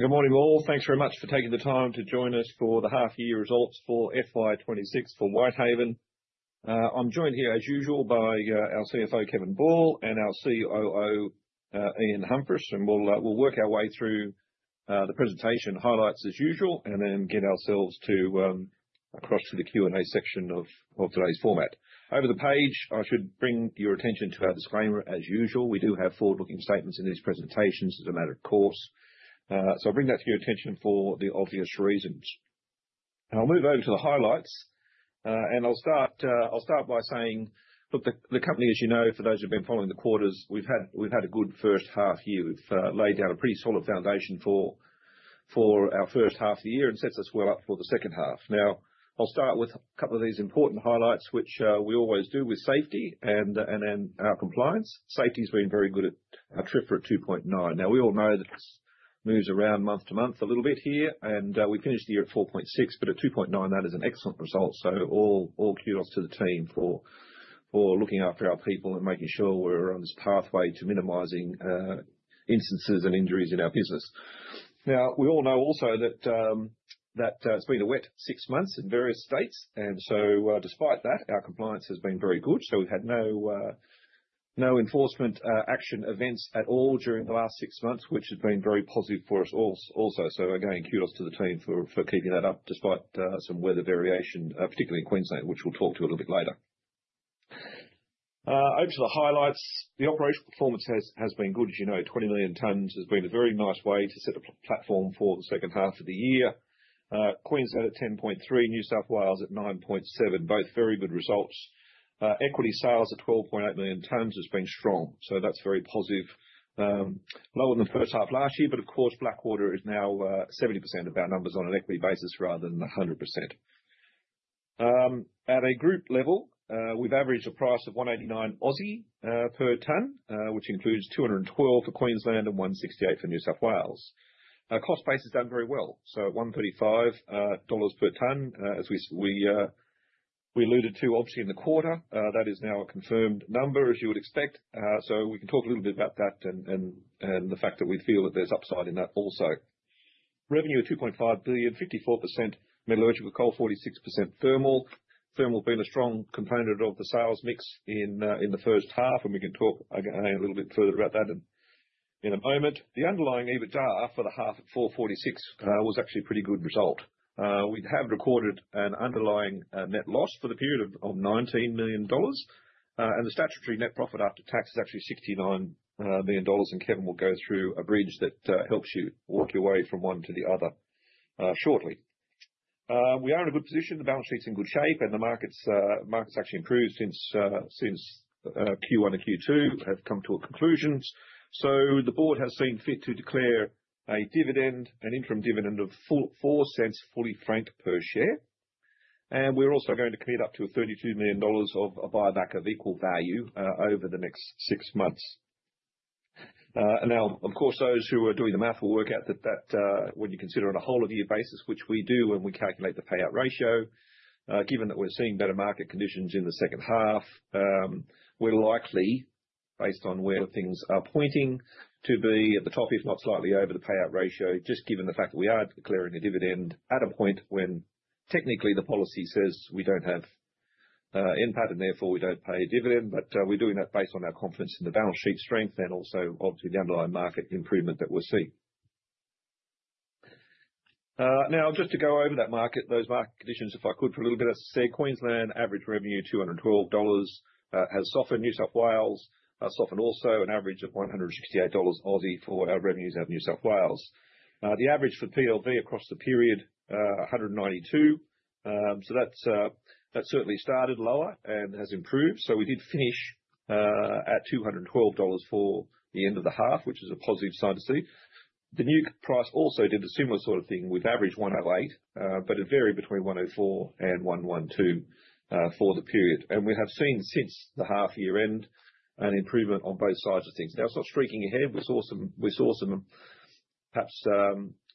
Good morning, all. Thanks very much for taking the time to join us for the half year results for FY 2026 for Whitehaven. I'm joined here, as usual, by our CFO, Kevin Ball, and our COO, Ian Humphris, and we'll work our way through the presentation highlights as usual, and then get ourselves across to the Q&A section of today's format. Over the page, I should bring your attention to our disclaimer as usual. We do have forward-looking statements in these presentations as a matter of course, so I bring that to your attention for the obvious reasons. I'll move over to the highlights. I'll start by saying, look, the company, as you know, for those who've been following the quarters, we've had a good first half year. We've laid down a pretty solid foundation for our first half of the year, and sets us well up for the second half. Now, I'll start with a couple of these important highlights, which we always do with safety and our compliance. Safety's been very good at a TRIFR 2.9. Now, we all know that this moves around month to month a little bit here, and we finished the year at 4.6, but at 2.9, that is an excellent result. So all kudos to the team for looking after our people and making sure we're on this pathway to minimizing instances and injuries in our business. Now, we all know also that it's been a wet six months in various states, and so, despite that, our compliance has been very good. So we've had no enforcement action events at all during the last six months, which has been very positive for us also. So again, kudos to the team for keeping that up, despite some weather variation, particularly in Queensland, which we'll talk to a little bit later. Over to the highlights. The operational performance has been good. As you know, 20 million tonnes has been a very nice way to set up a platform for the second half of the year. Queensland at 10.3 million tonnes, New South Wales at 9.7 million tonnes, both very good results. Equity sales at 12.8 million tonnes has been strong, so that's very positive. Lower than the first half last year, but of course, Blackwater is now 70% of our numbers on an equity basis rather than 100%. At a group level, we've averaged a price of 189 per tonne, which includes 212 for Queensland and 168 for New South Wales. Our cost base has done very well, so at 135 dollars per tonne, as we alluded to obviously in the quarter. That is now a confirmed number, as you would expect. So we can talk a little bit about that, and the fact that we feel that there's upside in that also. Revenue of 2.5 billion, 54% metallurgical coal, 46% thermal. Thermal being a strong component of the sales mix in the first half, and we can talk a little bit further about that in a moment. The underlying EBITDA for the half at 446 million was actually a pretty good result. We have recorded an underlying net loss for the period of 19 million dollars, and the statutory net profit after tax is actually 69 million dollars, and Kevin will go through a bridge that helps you work your way from one to the other shortly. We are in a good position. The balance sheet's in good shape, and the market's actually improved since Q1 and Q2 have come to a conclusion. The board has seen fit to declare a dividend, an interim dividend of 0.04, fully franked per share. We're also going to commit up to 32 million dollars of a buyback of equal value over the next six months. Now, of course, those who are doing the math will work out that when you consider on a whole of year basis, which we do when we calculate the payout ratio, given that we're seeing better market conditions in the second half, we're likely, based on where things are pointing, to be at the top, if not slightly over the payout ratio, just given the fact that we are declaring a dividend at a point when technically the policy says we don't have impact, and therefore we don't pay a dividend. But, we're doing that based on our confidence in the balance sheet strength and also obviously the underlying market improvement that we're seeing. Now, just to go over that market, those market conditions, if I could, for a little bit, I say Queensland, average revenue 212 dollars has softened. New South Wales, softened also an average of 168 Aussie dollars for our revenues out of New South Wales. The average for PLV across the period, $192. So that's, that certainly started lower and has improved. So we did finish, at $212 for the end of the half, which is a positive sign to see. The NEWC price also did a similar sort of thing. We've averaged $108, but it varied between $104 and $112 for the period. We have seen since the half year end an improvement on both sides of things. Now, it's not streaking ahead. We saw some, we saw some, perhaps,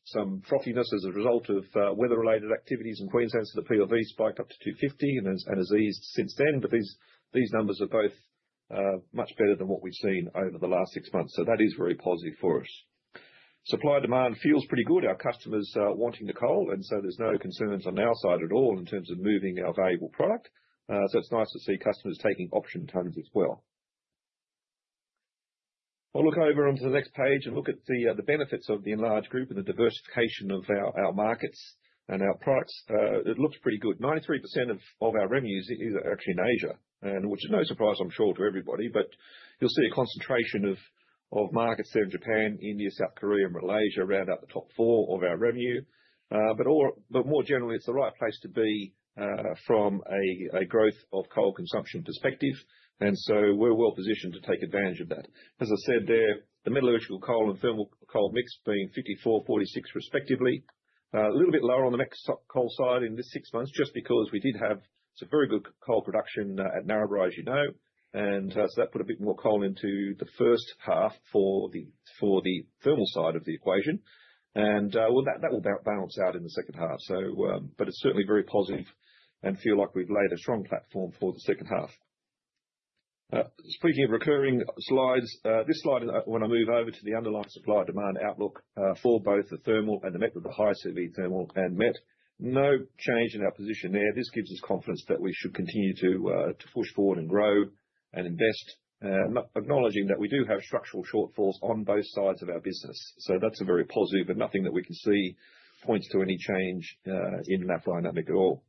some frothiness as a result of weather-related activities in Queensland, so the PLV spiked up to $250 and has eased since then. These numbers are both much better than what we've seen over the last six months, so that is very positive for us. Supply, demand feels pretty good. Our customers are wanting the coal, and so there's no concerns on our side at all in terms of moving our valuable product. So it's nice to see customers taking option tonnes as well. We'll look over onto the next page and look at the benefits of the enlarged group and the diversification of our markets and our products. It looks pretty good. 93% of our revenues is actually in Asia, and which is no surprise, I'm sure, to everybody. But you'll see a concentration of markets there in Japan, India, South Korea and Malaysia round out the top four of our revenue. But more generally, it's the right place to be from a growth of coal consumption perspective, and so we're well positioned to take advantage of that. As I said there, the metallurgical coal and thermal coal mix being 54/46 respectively. A little bit lower on the met coal side in this six months, just because we did have some very good coal production at Narrabri, as you know. And, so that put a bit more coal into the first half for the thermal side of the equation. And, well, that will balance out in the second half. So, but it's certainly very positive and feel like we've laid a strong platform for the second half. Speaking of recurring slides, this slide, I want to move over to the underlying supply demand outlook for both the thermal and the met, with the high-quality thermal and met. No change in our position there. This gives us confidence that we should continue to, to push forward and grow and invest, acknowledging that we do have structural shortfalls on both sides of our business. So that's a very positive, but nothing that we can see points to any change, in that dynamic at all.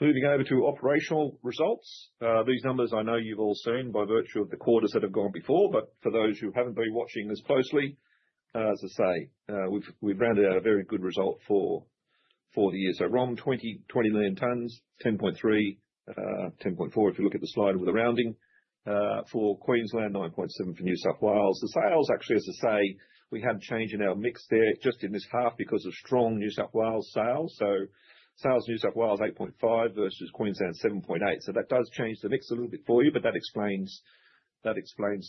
Moving over to operational results. These numbers I know you've all seen by virtue of the quarters that have gone before, but for those who haven't been watching as closely, as I say, we've rounded out a very good result for the year. So ROM, 20 million tonnes, 10.3 million tonnes, 10.4 million tonnes, if you look at the slide with the rounding. For Queensland, 9.7 million tonnes for New South Wales. The sales actually, as I say, we had a change in our mix there just in this half because of strong New South Wales sales. So sales, New South Wales, 8.5 million tonnes versus Queensland, 7.8 million tonnes. So that does change the mix a little bit for you, but that explains, that explains,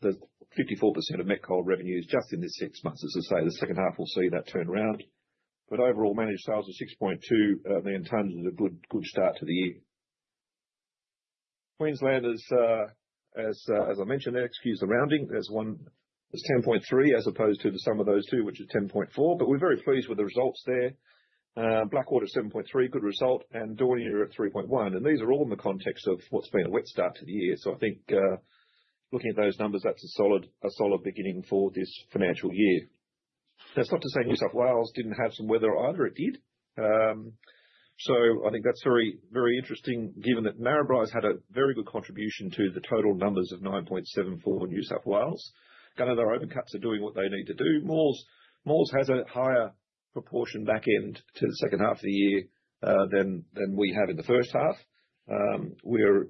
the 54% of met coal revenues just in this six months. As I say, the second half will see that turn around, but overall managed sales of 6.2 million tonnes is a good, good start to the year. Queensland is, as, as I mentioned there, excuse the rounding, there's ten point three as opposed to the sum of those two, which is 10.4 million tonnes. But we're very pleased with the results there. Blackwater, 7.3 million tonnes, good result, and Daunia at 3.1 million tonnes. These are all in the context of what's been a wet start to the year. So I think, looking at those numbers, that's a solid, a solid beginning for this financial year. That's not to say New South Wales didn't have some weather either. It did. So I think that's very, very interesting, given that Narrabri has had a very good contribution to the total numbers of 9.7 million tonnes from New South Wales. Gunnedah open cuts are doing what they need to do. Maules, Maules has a higher proportion back end to the second half of the year, than we have in the first half. We're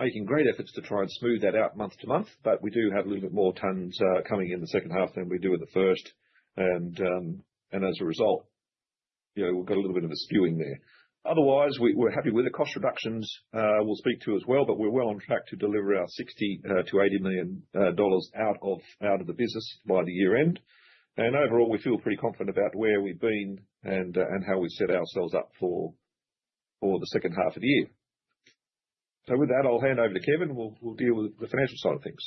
making great efforts to try and smooth that out month to month, but we do have a little bit more tonnes coming in the second half than we do in the first. As a result, you know, we've got a little bit of a skewing there. Otherwise, we're happy with it. Cost reductions, we'll speak to as well, but we're well on track to deliver our 60 million-80 million dollars out of the business by the year end. Overall, we feel pretty confident about where we've been and how we've set ourselves up for the second half of the year. So with that, I'll hand over to Kevin, who will deal with the financial side of things.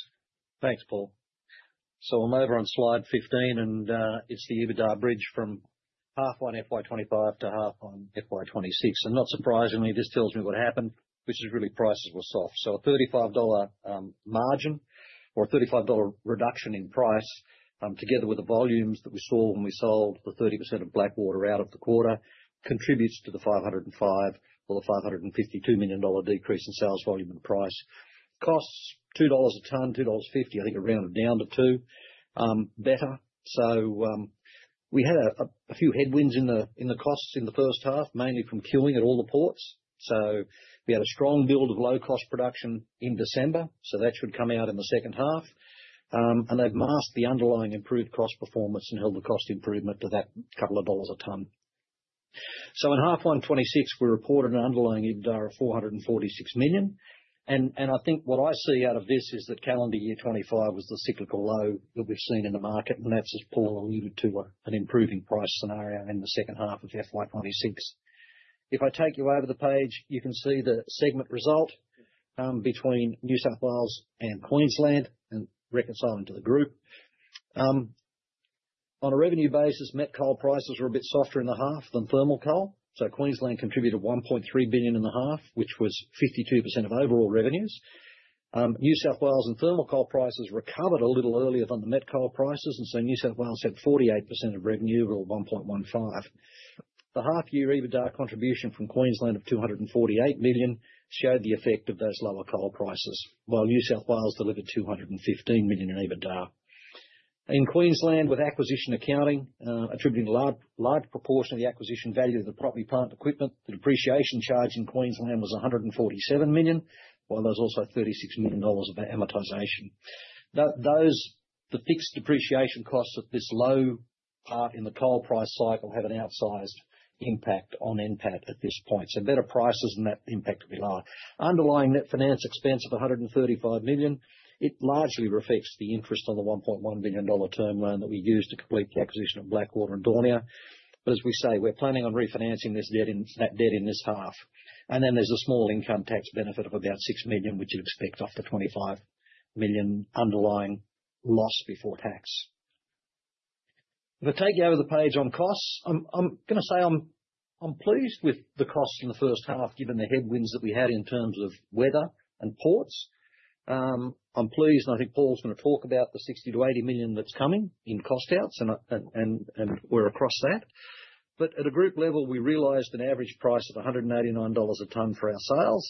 Thanks, Paul. So I'm over on slide 15, and it's the EBITDA bridge from H1 FY 2025 to H1 FY 2026. And not surprisingly, this tells me what happened, which is really prices were soft. So a 35 dollar margin or a 35 dollar reduction in price, together with the volumes that we saw when we sold the 30% of Blackwater out of the quarter, contributes to the 505 million or the 552 million dollar decrease in sales volume and price. Costs, 2 dollars a tonne, 2.50, I think I rounded down to 2, better. So we had a few headwinds in the costs in the first half, mainly from queuing at all the ports. So we had a strong build of low-cost production in December, so that should come out in the second half. And they've masked the underlying improved cost performance and held the cost improvement to that couple of AUD a tonne. So in half one, 2026, we reported an underlying EBITDA of 446 million, and I think what I see out of this is that calendar year 2025 was the cyclical low that we've seen in the market, and that's as Paul alluded to, an improving price scenario in the second half of FY 2026. If I take you over the page, you can see the segment result, between New South Wales and Queensland and reconciling to the group. On a revenue basis, met coal prices were a bit softer in the half than thermal coal, so Queensland contributed 1.3 billion in the half, which was 52% of overall revenues. New South Wales and thermal coal prices recovered a little earlier than the met coal prices, and so New South Wales had 48% of revenue, or 1.15 billion. The half year EBITDA contribution from Queensland of 248 million showed the effect of those lower coal prices, while New South Wales delivered 215 million in EBITDA. In Queensland, with acquisition accounting, attributing a large, large proportion of the acquisition value of the property, plant, equipment, the depreciation charge in Queensland was 147 million, while there was also 36 million dollars of amortization. Those, the fixed depreciation costs of this low part in the coal price cycle have an outsized impact on NPAT at this point, so better prices and that impact will be lower. Underlying net finance expense of 135 million, it largely reflects the interest on the 1.1 billion dollar term loan that we used to complete the acquisition of Blackwater and Daunia. But as we say, we're planning on refinancing this debt in this half. And then there's a small income tax benefit of about 6 million, which you'd expect off the 25 million underlying loss before tax. If I take you over the page on costs, I'm gonna say I'm pleased with the costs in the first half, given the headwinds that we had in terms of weather and ports. I'm pleased, and I think Paul's going to talk about the 60 million-80 million that's coming in cost outs, and we're across that. But at a group level, we realized an average price of 189 dollars a tonne for our sales.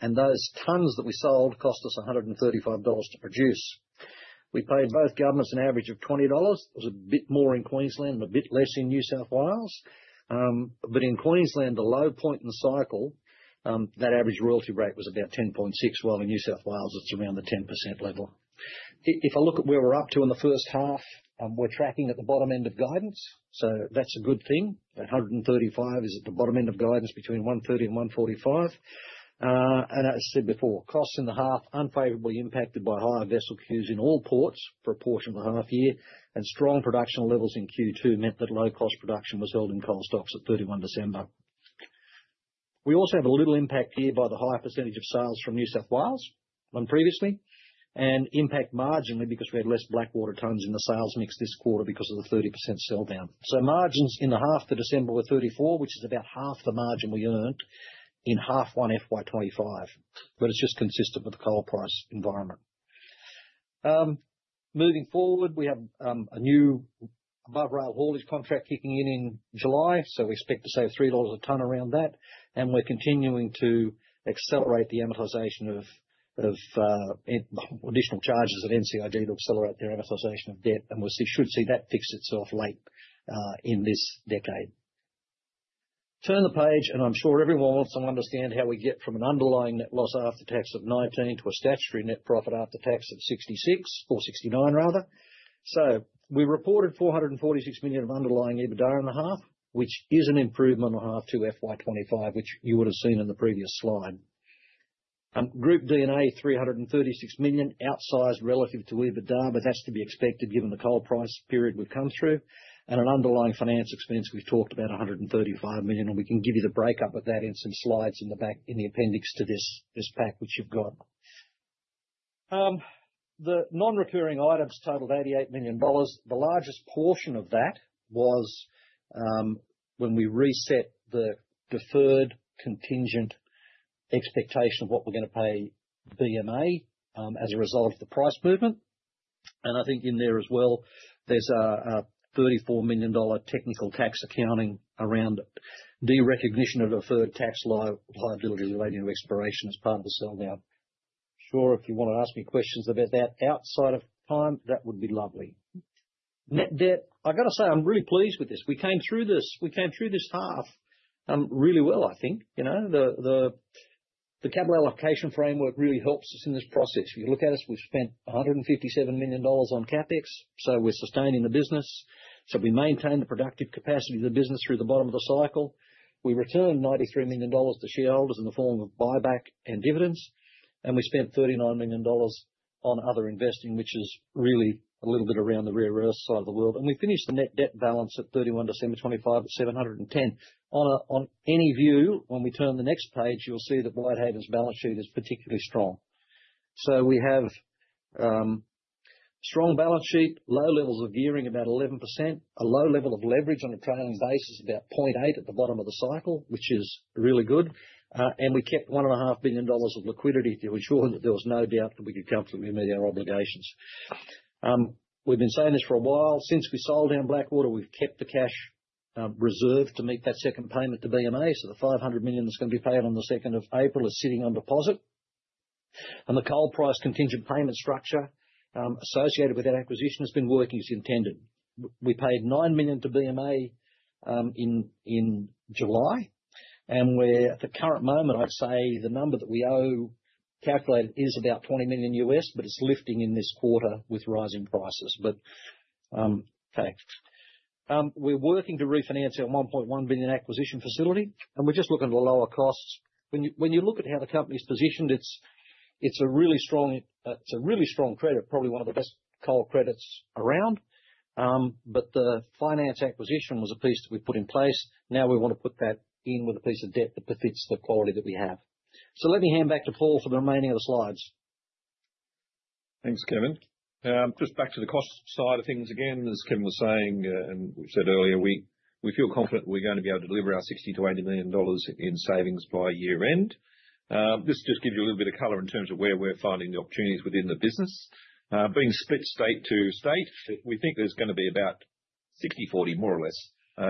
And those tonnes that we sold cost us 135 dollars to produce. We paid both governments an average of 20 dollars. It was a bit more in Queensland and a bit less in New South Wales. But in Queensland, the low point in the cycle, that average royalty rate was about 10.6, while in New South Wales, it's around the 10% level. If I look at where we're up to in the first half, we're tracking at the bottom end of guidance, so that's a good thing. 135 million is at the bottom end of guidance between 130 million and 145 million. As I said before, costs in the half unfavorably impacted by higher vessel queues in all ports for a portion of the half year, and strong production levels in Q2 meant that low-cost production was held in coal stocks at 31 December. We also have a little impact here by the higher percentage of sales from New South Wales than previously, and impact marginally because we had less Blackwater tonnes in the sales mix this quarter because of the 30% sell down. So margins in the half to December were 34 million, which is about half the margin we earned in half one FY 2025, but it's just consistent with the coal price environment. Moving forward, we have a new above rail haulage contract kicking in in July, so we expect to save 3 dollars a ton around that, and we're continuing to accelerate the amortization of additional charges at NCIG to accelerate their amortization of debt, and we'll see, should see that fix itself late in this decade. Turn the page, and I'm sure everyone wants to understand how we get from an underlying net loss after tax of 19 million to a statutory net profit after tax of 66 million, or 69 million rather. So we reported 446 million of underlying EBITDA in the half, which is an improvement H2 FY 2025, which you would have seen in the previous slide. Group D&A, 336 million, outsized relative to EBITDA, but that's to be expected given the coal price period we've come through. An underlying finance expense, we've talked about 135 million, and we can give you the breakup of that in some slides in the back, in the appendix to this pack, which you've got. The non-recurring items totaled 88 million dollars. The largest portion of that was, when we reset the deferred contingent expectation of what we're gonna pay BMA, as a result of the price movement. I think in there as well, there's a, 34 million dollar technical tax accounting around it. The recognition of deferred tax liability relating to expiration as part of the sell down. Sure, if you want to ask me questions about that outside of time, that would be lovely. Net debt, I've got to say, I'm really pleased with this. We came through this, we came through this half, really well, I think. You know, the capital allocation framework really helps us in this process. If you look at us, we've spent 157 million dollars on CapEx, so we're sustaining the business. So we maintain the productive capacity of the business through the bottom of the cycle. We returned 93 million dollars to shareholders in the form of buyback and dividends, and we spent 39 million dollars on other investing, which is really a little bit around the rarest side of the world. And we finished the net debt balance at 31 December 2025 at 710 million. On any view, when we turn the next page, you'll see that Whitehaven's balance sheet is particularly strong. So we have, strong balance sheet, low levels of gearing, about 11%, a low level of leverage on a trailing basis, about 0.8 at the bottom of the cycle, which is really good. And we kept 1.5 billion dollars of liquidity to ensure that there was no doubt that we could comfortably meet our obligations. We've been saying this for a while. Since we sold down Blackwater, we've kept the cash, reserved to meet that second payment to BMA. So the 500 million that's going to be paid on the second of April is sitting on deposit, and the coal price contingent payment structure, associated with that acquisition has been working as intended. We paid 9 million to BMA in July, and at the current moment, I'd say the number that we owe, calculated, is about $20 million, but it's lifting in this quarter with rising prices. Thanks. We're working to refinance our 1.1 billion acquisition facility, and we're just looking to lower costs. When you look at how the company's positioned, it's a really strong, it's a really strong credit, probably one of the best coal credits around. But the finance acquisition was a piece that we put in place. Now, we want to put that in with a piece of debt that befits the quality that we have. So let me hand back to Paul for the remaining of the slides. Thanks, Kevin. Just back to the cost side of things. Again, as Kevin was saying, and we said earlier, we, we feel confident we're going to be able to deliver our 60 million-80 million dollars in savings by year end. This just gives you a little bit of color in terms of where we're finding the opportunities within the business. Being split state to state, we think there's gonna be about 60/40, more or less,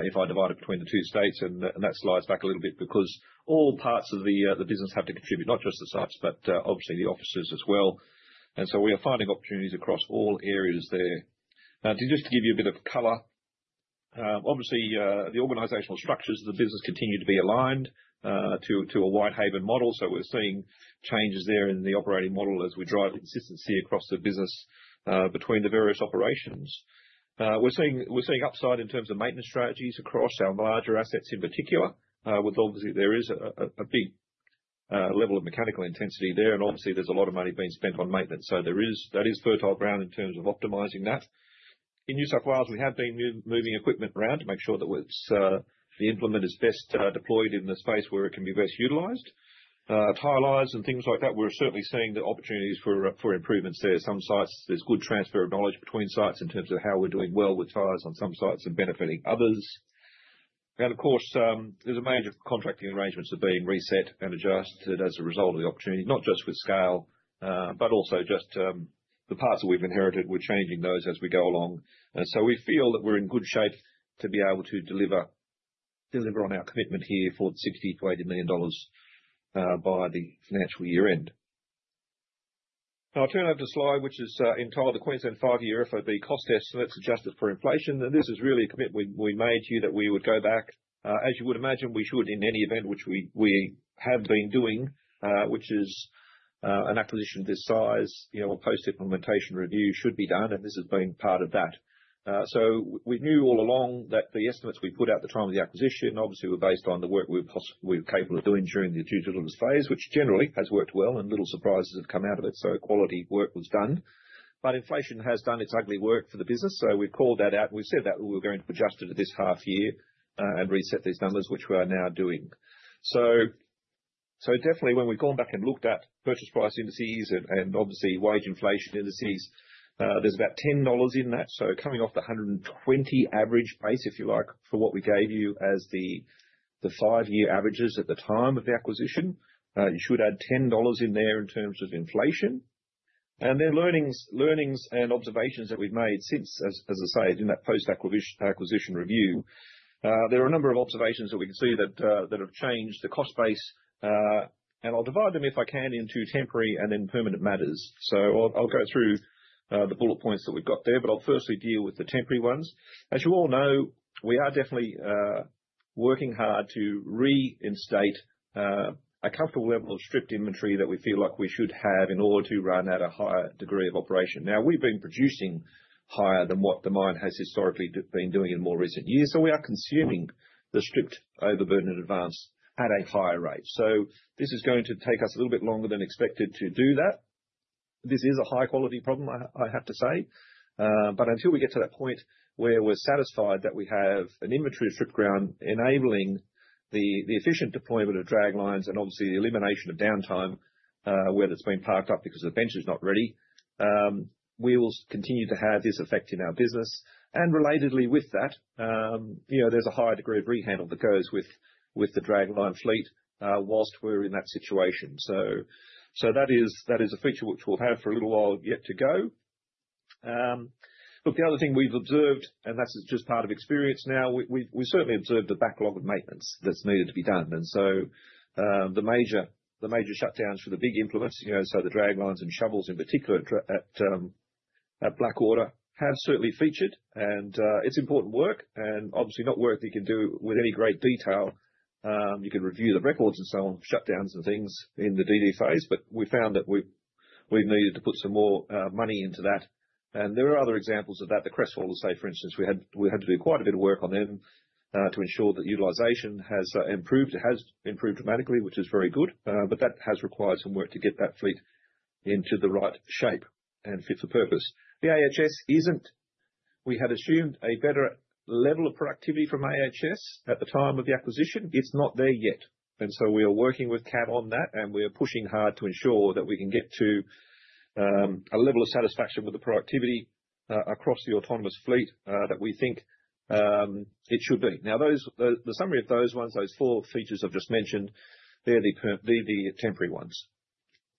if I divide it between the two states, and that, and that slides back a little bit because all parts of the, the business have to contribute, not just the sites, but, obviously, the offices as well. And so we are finding opportunities across all areas there. Now, just to give you a bit of color, obviously, the organizational structures of the business continue to be aligned to a Whitehaven model. So we're seeing changes there in the operating model as we drive consistency across the business between the various operations. We're seeing upside in terms of maintenance strategies across our larger assets in particular. With obviously there is a big level of mechanical intensity there, and obviously there's a lot of money being spent on maintenance. So there is, that is, fertile ground in terms of optimizing that. In New South Wales, we have been moving equipment around to make sure that it's the implement is best deployed in the space where it can be best utilized. Tire lines and things like that, we're certainly seeing the opportunities for improvements there. Some sites, there's good transfer of knowledge between sites in terms of how we're doing well with tires on some sites and benefiting others. And of course, there's a range of contracting arrangements are being reset and adjusted as a result of the opportunity, not just with scale, but also just the parts that we've inherited, we're changing those as we go along. And so we feel that we're in good shape to be able to deliver on our commitment here for 60 million-80 million dollars by the financial year end. I'll turn over to the slide, which is entitled the Queensland five-year FOB cost estimates adjusted for inflation. And this is really a commitment we made here, that we would go back, as you would imagine we should, in any event, which we have been doing, which is, an acquisition of this size, you know, a post-implementation review should be done, and this has been part of that. So we knew all along that the estimates we put out at the time of the acquisition, obviously, were based on the work we were capable of doing during the due diligence phase, which generally has worked well and little surprises have come out of it, so quality work was done. But inflation has done its ugly work for the business, so we've called that out. We've said that we were going to adjust it to this half year, and reset these numbers, which we are now doing. So-... So definitely, when we've gone back and looked at purchase price indices and obviously wage inflation indices, there's about 10 dollars in that. So coming off the 120 average base, if you like, for what we gave you as the five-year averages at the time of the acquisition, you should add 10 dollars in there in terms of inflation. And then learnings and observations that we've made since, as I say, in that post-acquisition review, there are a number of observations that we can see that have changed the cost base, and I'll divide them, if I can, into temporary and then permanent matters. So I'll go through the bullet points that we've got there, but I'll firstly deal with the temporary ones. As you all know, we are definitely working hard to reinstate a comfortable level of stripped inventory that we feel like we should have in order to run at a higher degree of operation. Now, we've been producing higher than what the mine has historically been doing in more recent years, so we are consuming the stripped overburden in advance at a higher rate. So this is going to take us a little bit longer than expected to do that. This is a high quality problem, I have to say. But until we get to that point where we're satisfied that we have an inventory of strip ground enabling the efficient deployment of draglines and obviously the elimination of downtime, where it's been parked up because the bench is not ready, we will continue to have this effect in our business. Relatedly with that, you know, there's a higher degree of rehandle that goes with the dragline fleet, while we're in that situation. So that is a feature which we'll have for a little while yet to go. Look, the other thing we've observed, and this is just part of experience now, we've certainly observed a backlog of maintenance that's needed to be done. And so, the major shutdowns for the big implements, you know, so the draglines and shovels in particular at Daunia at Blackwater, have certainly featured and it's important work and obviously not work you can do with any great detail. You can review the records and so on, shutdowns and things in the DD phase, but we found that we needed to put some more money into that. And there are other examples of that. The crest wall, say, for instance, we had to do quite a bit of work on them to ensure that utilization has improved. It has improved dramatically, which is very good, but that has required some work to get that fleet into the right shape and fit for purpose. The AHS isn't—we had assumed a better level of productivity from AHS at the time of the acquisition. It's not there yet, and so we are working with CAT on that, and we are pushing hard to ensure that we can get to a level of satisfaction with the productivity across the autonomous fleet that we think it should be. Now, the summary of those ones, those four features I've just mentioned, they're the temporary ones.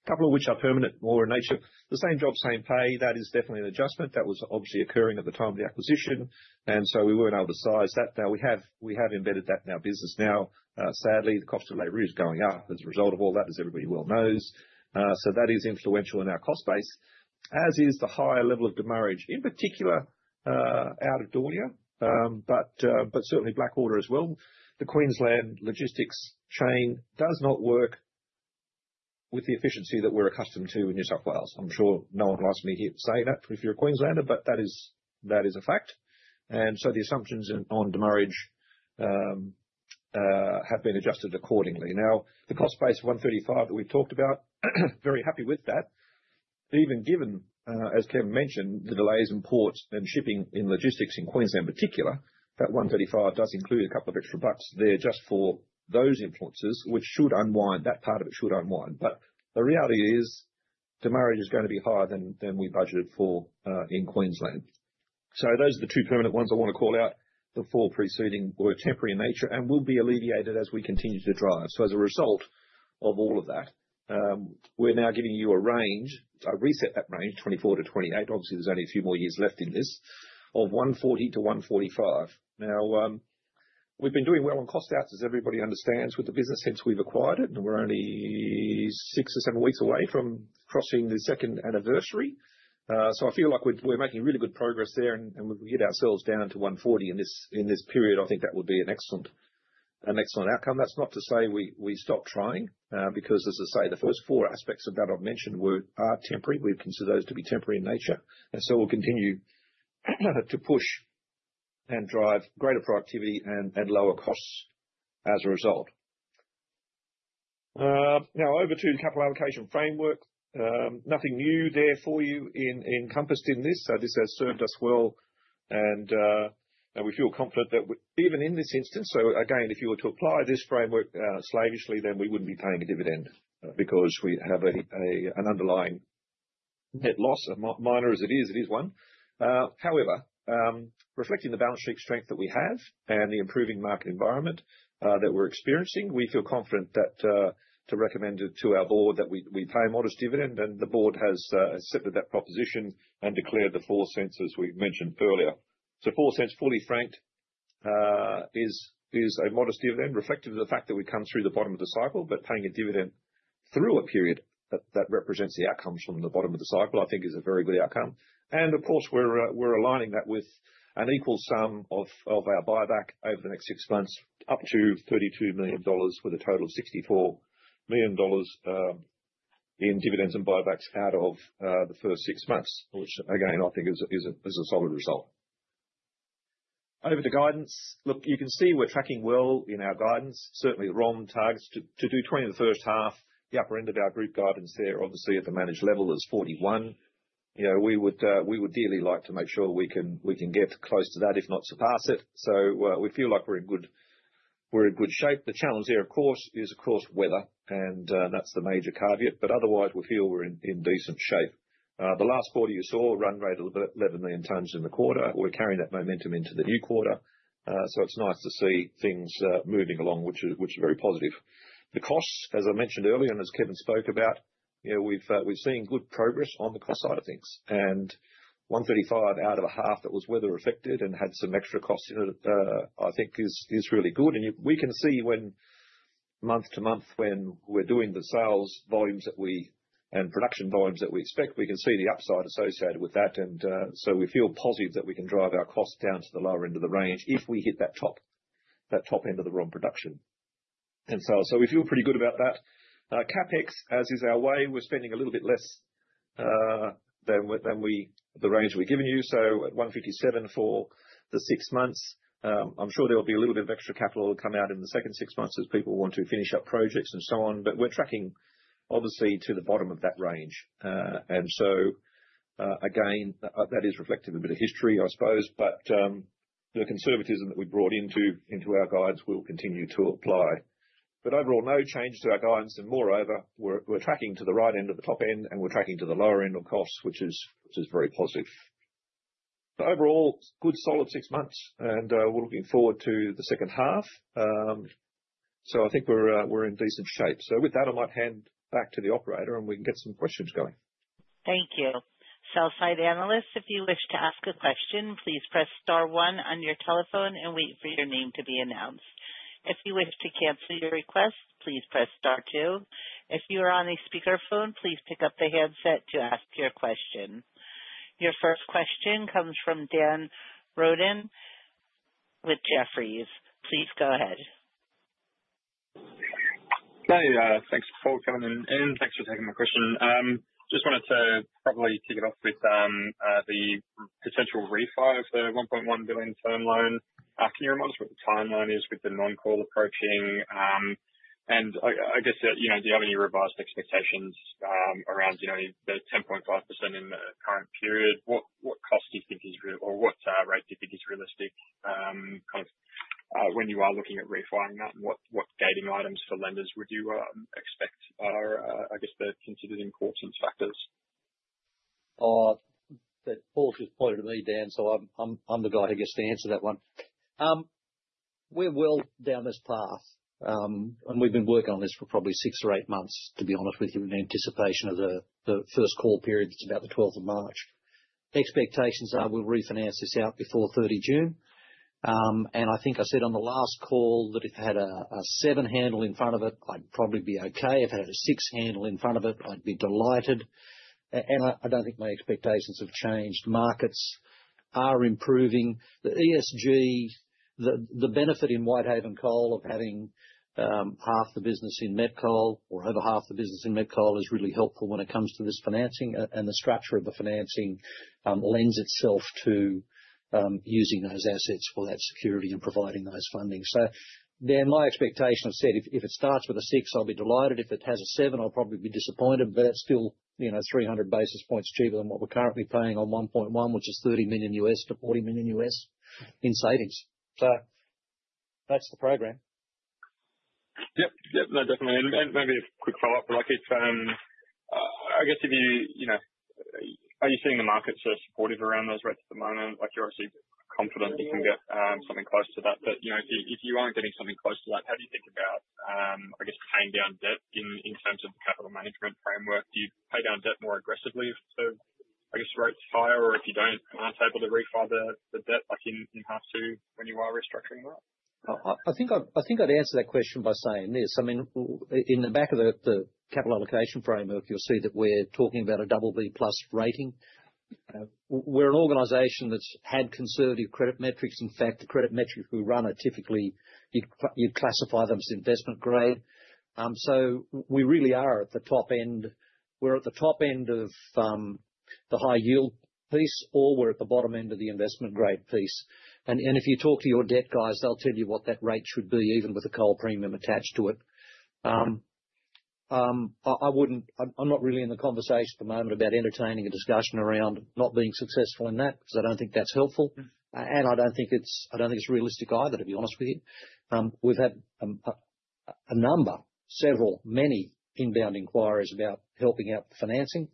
Couple of which are permanent in nature. The Same Job, Same Pay, that is definitely an adjustment. That was obviously occurring at the time of the acquisition, and so we weren't able to size that. Now we have, we have embedded that in our business now. Sadly, the cost of labor is going up as a result of all that, as everybody well knows. So that is influential in our cost base, as is the higher level of demurrage, in particular, out of Daunia, but, but certainly Blackwater as well. The Queensland logistics chain does not work with the efficiency that we're accustomed to in New South Wales. I'm sure no one will ask me here to say that if you're a Queenslander, but that is, that is a fact. And so the assumptions on demurrage have been adjusted accordingly. Now, the cost base of 135 that we've talked about, very happy with that. Even given, as Kevin mentioned, the delays in ports and shipping in logistics in Queensland in particular, that 135 does include a couple of extra bucks there just for those influences, which should unwind. That part of it should unwind, but the reality is demurrage is going to be higher than, than we budgeted for, in Queensland. So those are the two permanent ones I want to call out. The four preceding were temporary in nature and will be alleviated as we continue to drive. So as a result of all of that, we're now giving you a range, a reset that range, 2024-2028. Obviously, there's only a few more years left in this, of 140-145. Now, we've been doing well on costs out, as everybody understands, with the business since we've acquired it, and we're only six or seven weeks away from crossing the second anniversary. So I feel like we're, we're making really good progress there, and, and we get ourselves down to 140 in this, in this period. I think that would be an excellent, an excellent outcome. That's not to say we, we stop trying, because, as I say, the first four aspects of that I've mentioned were, are temporary. We'd consider those to be temporary in nature, and so we'll continue to push and drive greater productivity and, and lower costs as a result. Now over to the capital allocation framework. Nothing new there for you in, encompassed in this. So this has served us well, and we feel confident that even in this instance, so again, if you were to apply this framework slavishly, then we wouldn't be paying a dividend because we have an underlying net loss, minor as it is, it is one. However, reflecting the balance sheet strength that we have and the improving market environment that we're experiencing, we feel confident that to recommend it to our board, that we pay a modest dividend, and the board has accepted that proposition and declared 0.04, as we mentioned earlier. So 0.04, fully franked, is a modest dividend reflective of the fact that we've come through the bottom of the cycle, but paying a dividend through a period that represents the outcomes from the bottom of the cycle, I think is a very good outcome. And of course, we're aligning that with an equal sum of our buyback over the next six months, up to 32 million dollars, with a total of 64 million dollars in dividends and buybacks out of the first six months, which again, I think is a solid result. Over to guidance. Look, you can see we're tracking well in our guidance, certainly the ROM targets to do 20 in the first half. The upper end of our group guidance there, obviously at the managed level, is 41 million.... You know, we would, we would dearly like to make sure we can, we can get close to that, if not surpass it. So, we feel like we're in good, we're in good shape. The challenge here, of course, is of course, weather, and, that's the major caveat. But otherwise, we feel we're in, in decent shape. The last quarter, you saw a run rate of about 11 million tonnes in the quarter. We're carrying that momentum into the new quarter. So it's nice to see things, moving along, which is, which is very positive. The costs, as I mentioned earlier, and as Kevin spoke about, you know, we've, we've seen good progress on the cost side of things. 135 out of a half that was weather affected and had some extra costs, you know, I think is really good. We can see month-to-month, when we're doing the sales volumes that and production volumes that we expect, we can see the upside associated with that. So we feel positive that we can drive our costs down to the lower end of the range if we hit that top, that top end of the run production. So we feel pretty good about that. CapEx, as is our way, we're spending a little bit less than the range we've given you, so at 157 million for the six months. I'm sure there will be a little bit of extra capital come out in the second six months as people want to finish up projects and so on, but we're tracking obviously to the bottom of that range. And so, again, that is reflecting a bit of history, I suppose. But the conservatism that we brought into, into our guides will continue to apply. But overall, no change to our guidance. And moreover, we're, we're tracking to the right end of the top end, and we're tracking to the lower end on costs, which is, which is very positive. But overall, good solid six months, and we're looking forward to the second half. So I think we're, we're in decent shape. So with that, I might hand back to the operator, and we can get some questions going. Thank you. Sell-side analysts, if you wish to ask a question, please press star one on your telephone and wait for your name to be announced. If you wish to cancel your request, please press star two. If you are on a speakerphone, please pick up the handset to ask your question. Your first question comes from Dan Roden with Jefferies. Please go ahead. Hi, thanks for coming in, and thanks for taking my question. Just wanted to probably kick it off with the potential refi of the 1.1 billion term loan. Can you remind us what the timeline is with the non-call approaching? And I guess, you know, do you have any revised expectations around, you know, the 10.5% in the current period? What cost do you think is or what rate do you think is realistic, kind of, when you are looking at refining that, and what gating items for lenders would you expect are, I guess, the considered important factors? That ball is pointed at me, Dan, so I'm the guy who gets to answer that one. We're well down this path, and we've been working on this for probably 6 or 8 months, to be honest with you, in anticipation of the first call period, which is about the twelfth of March. Expectations are we'll refinance this out before 30 June. And I think I said on the last call that if it had a 7 handle in front of it, I'd probably be okay. If it had a 6 handle in front of it, I'd be delighted. And I don't think my expectations have changed. Markets are improving. The ESG, the benefit in Whitehaven Coal of having half the business in met coal or over half the business in met coal, is really helpful when it comes to this financing. And the structure of the financing lends itself to using those assets for that security and providing those funding. So Dan, my expectation, I've said, if it starts with a six, I'll be delighted. If it has a seven, I'll probably be disappointed, but that's still, you know, 300 basis points cheaper than what we're currently paying on 1.1, which is $30 million-$40 million in savings. So that's the program. Yep. Yep, no, definitely. And maybe a quick follow-up. Like, it's, I guess if you, you know... Are you seeing the markets are supportive around those rates at the moment? Like, you're obviously confident you can get something closer to that. But, you know, if you aren't getting something closer to that, how do you think about, I guess, paying down debt in terms of the capital management framework? Do you pay down debt more aggressively if the, I guess, rate's higher, or if you don't aren't able to refi the debt, like in half to when you are restructuring well? I think I'd answer that question by saying this: I mean, in the back of the capital allocation framework, you'll see that we're talking about a double-B plus rating. We're an organization that's had conservative credit metrics. In fact, the credit metrics we run are typically you'd classify them as investment grade. So we really are at the top end. We're at the top end of the high yield piece, or we're at the bottom end of the investment grade piece. And if you talk to your debt guys, they'll tell you what that rate should be, even with a coal premium attached to it. I wouldn't... I'm not really in the conversation at the moment about entertaining a discussion around not being successful in that, because I don't think that's helpful. And I don't think it's realistic either, to be honest with you. We've had a number, several, many inbound inquiries about helping out the financing,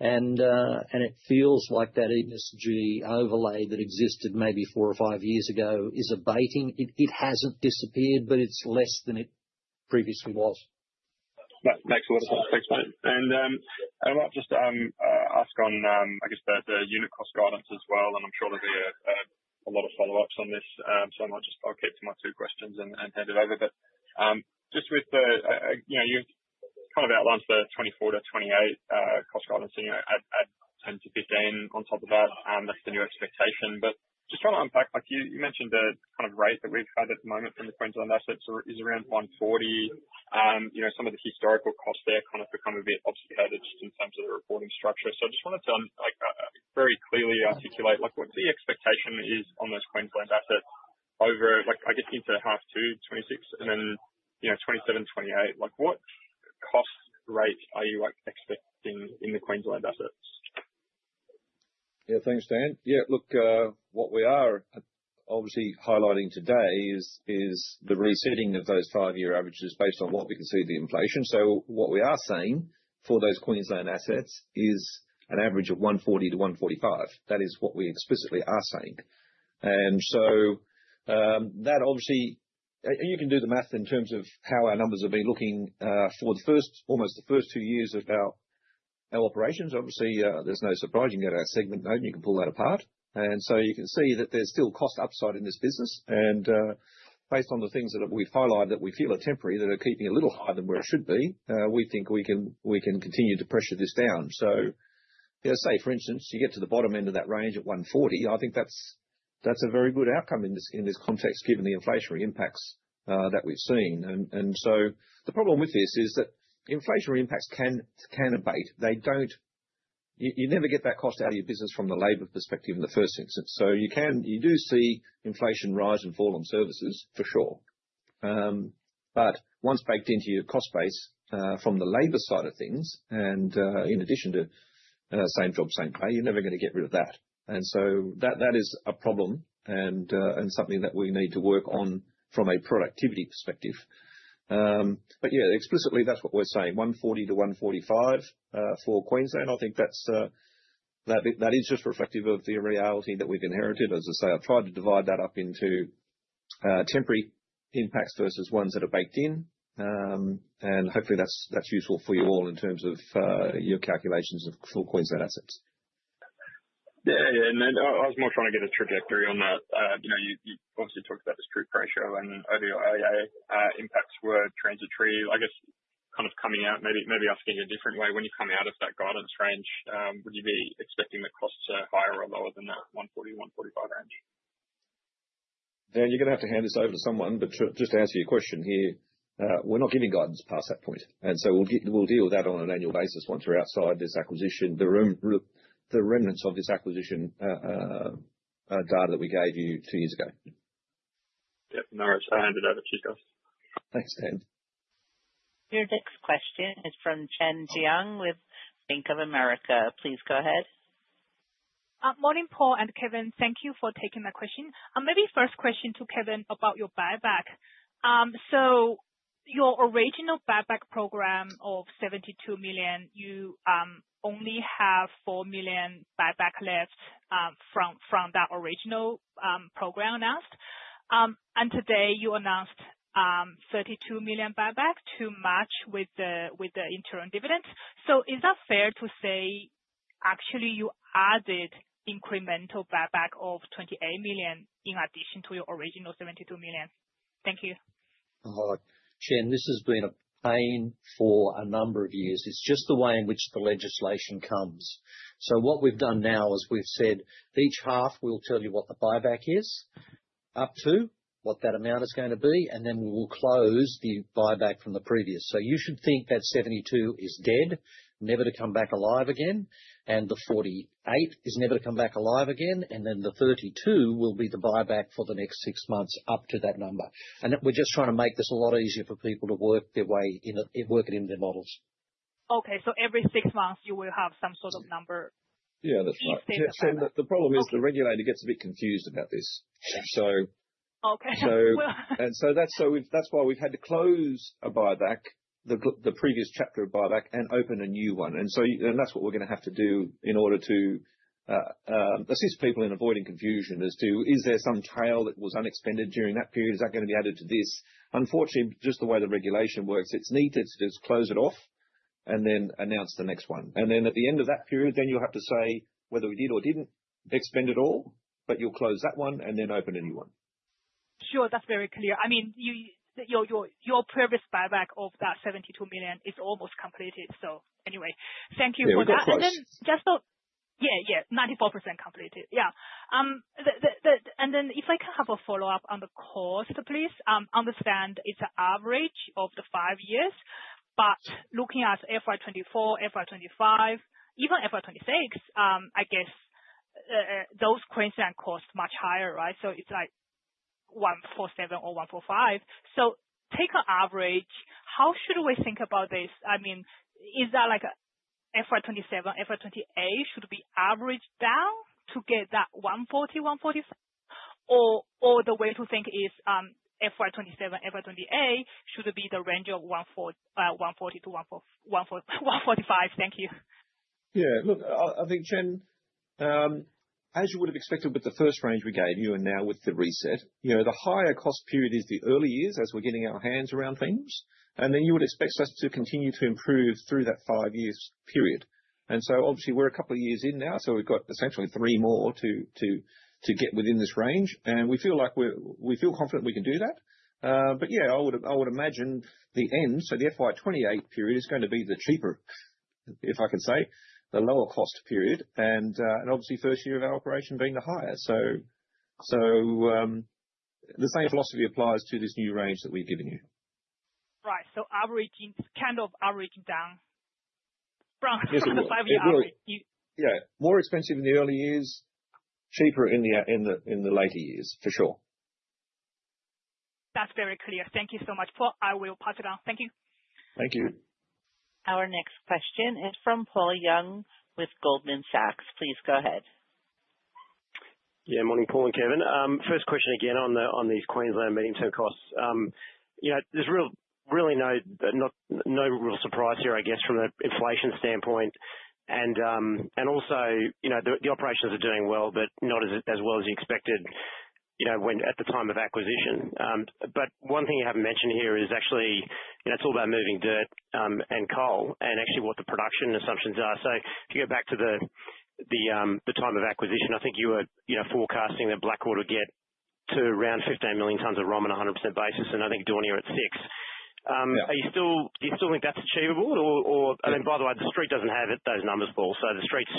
and it feels like that ESG overlay that existed maybe four or five years ago is abating. It hasn't disappeared, but it's less than it previously was. That makes a lot of sense. Thanks, mate. And, I might just ask on, I guess, the unit cost guidance as well, and I'm sure there'll be a lot of follow-ups on this. So I might just. I'll keep to my 2 questions and hand it over. But just with the, you know, you've kind of outlined the 24-28 cost guidance, you know, at 10-15 on top of that, that's the new expectation. But just trying to unpack, like you mentioned the kind of rate that we've had at the moment from the Queensland assets is around 140. You know, some of the historical costs there kind of become a bit obfuscated just in terms of the reporting structure. So I just wanted to, like, very clearly articulate, like, what the expectation is on those Queensland assets?... over, like, I guess into the H2 2026, and then, you know, 2027, 2028. Like, what cost rate are you, like, expecting in the Queensland assets? Yeah, thanks, Dan. Yeah, look, what we are obviously highlighting today is the resetting of those five-year averages based on what we can see the inflation. So what we are saying for those Queensland assets is an average of 140-145. That is what we explicitly are saying. And so, that obviously... And you can do the math in terms of how our numbers have been looking for the first almost two years of our operations. Obviously, there's no surprise. You can get our segment note, and you can pull that apart. And so you can see that there's still cost upside in this business. Based on the things that we've highlighted that we feel are temporary, that are keeping it a little higher than where it should be, we think we can, we can continue to pressure this down. So, yeah, say, for instance, you get to the bottom end of that range at 140, I think that's, that's a very good outcome in this, in this context, given the inflationary impacts that we've seen. And so the problem with this is that inflationary impacts can, can abate. They don't. You never get that cost out of your business from the labor perspective in the first instance. So you can. You do see inflation rise and fall on services, for sure. But once baked into your cost base, from the labor side of things, and, in addition to, Same Job, Same Pay, you're never gonna get rid of that. And so that, that is a problem and, and something that we need to work on from a productivity perspective. But yeah, explicitly, that's what we're saying, 140-145 for Queensland. I think that's, that, that is just reflective of the reality that we've inherited. As I say, I've tried to divide that up into, temporary impacts versus ones that are baked in. And hopefully that's, that's useful for you all in terms of, your calculations of- for Queensland assets. Yeah, yeah. And then I, I was more trying to get a trajectory on that. You know, you, you obviously talked about the strip ratio and how the AHS impacts were transitory. I guess, kind of coming out, maybe, maybe asking a different way, when you come out of that guidance range, would you be expecting the costs are higher or lower than that 140-145 range? Dan, you're gonna have to hand this over to someone, but just to answer your question here, we're not giving guidance past that point, and so we'll deal with that on an annual basis once we're outside this acquisition, the room, the remnants of this acquisition, data that we gave you two years ago. Yeah. No, I handed over. Cheers, guys. Thanks, Dan. Your next question is from Chen Jiang with Bank of America. Please go ahead. Morning, Paul and Kevin. Thank you for taking my question. Maybe first question to Kevin about your buyback. So your original buyback program of 72 million, you only have 4 million buyback left from that original program announced. And today you announced 32 million buyback to match with the interim dividends. So is that fair to say, actually, you added incremental buyback of 28 million in addition to your original 72 million? Thank you. Chen, this has been a pain for a number of years. It's just the way in which the legislation comes. So what we've done now is we've said each half, we'll tell you what the buyback is, up to, what that amount is going to be, and then we will close the buyback from the previous. So you should think that 72 million is dead, never to come back alive again, and the 48 million is never to come back alive again, and then the 32 million will be the buyback for the next six months up to that number. And we're just trying to make this a lot easier for people to work their way in, in working in their models. Okay. So every six months you will have some sort of number? Yeah, that's right. Okay. And the problem is the regulator gets a bit confused about this. So- Okay. So that's why we've had to close a buyback, the previous chapter of buyback, and open a new one. So that's what we're gonna have to do in order to assist people in avoiding confusion as to, is there some trail that was unexpended during that period? Is that gonna be added to this? Unfortunately, just the way the regulation works, it's neat, just close it off and then announce the next one. Then at the end of that period, you'll have to say whether we did or didn't expend it all, but you'll close that one and then open a new one. Sure. That's very clear. I mean, your previous buyback of that 72 million is almost completed. So anyway, thank you for that. Yeah, we got close. And then 94% completed. And then if I can have a follow-up on the cost, please. Understand it's an average of the five years, but looking at FY 2024, FY 2025, even FY 2026, I guess, those Queensland costs much higher, right? So it's like 147 or 145. So take an average, how should we think about this? I mean, is that like a FY 2027, FY 2028 should be averaged down to get that 140, 140... Or the way to think is, FY 2027, FY 2028 should be the range of 140-145. Thank you. Yeah. Look, I think, Chen, as you would have expected with the first range we gave you and now with the reset, you know, the higher cost period is the early years as we're getting our hands around things, and then you would expect us to continue to improve through that 5-year period. So obviously, we're a couple of years in now, so we've got essentially 3 more to get within this range, and we feel confident we can do that. But yeah, I would imagine the end, so the FY 2028 period is going to be the cheaper, if I can say, the lower cost period, and obviously first year of our operation being the highest. So, the same philosophy applies to this new range that we've given you.... So averaging, kind of averaging down from the five-year average. It will, yeah, more expensive in the early years, cheaper in the later years, for sure. That's very clear. Thank you so much, Paul. I will pass it on. Thank you. Thank you. Our next question is from Paul Young with Goldman Sachs. Please go ahead. Yeah, morning, Paul and Kevin. First question again on the, on these Queensland medium-term costs. You know, there's really no real surprise here, I guess, from an inflation standpoint. And also, you know, the operations are doing well, but not as well as you expected, you know, at the time of acquisition. But one thing you haven't mentioned here is actually, you know, it's all about moving dirt, and coal, and actually what the production assumptions are. So if you go back to the time of acquisition, I think you were, you know, forecasting that Blackwater would get to around 15 million tonnes of ROM on a 100% basis, and I think Daunia are at six million tonnes. Yeah. Are you still, do you still think that's achievable? Or... And then, by the way, the Street doesn't have it, those numbers, Paul, so the Street's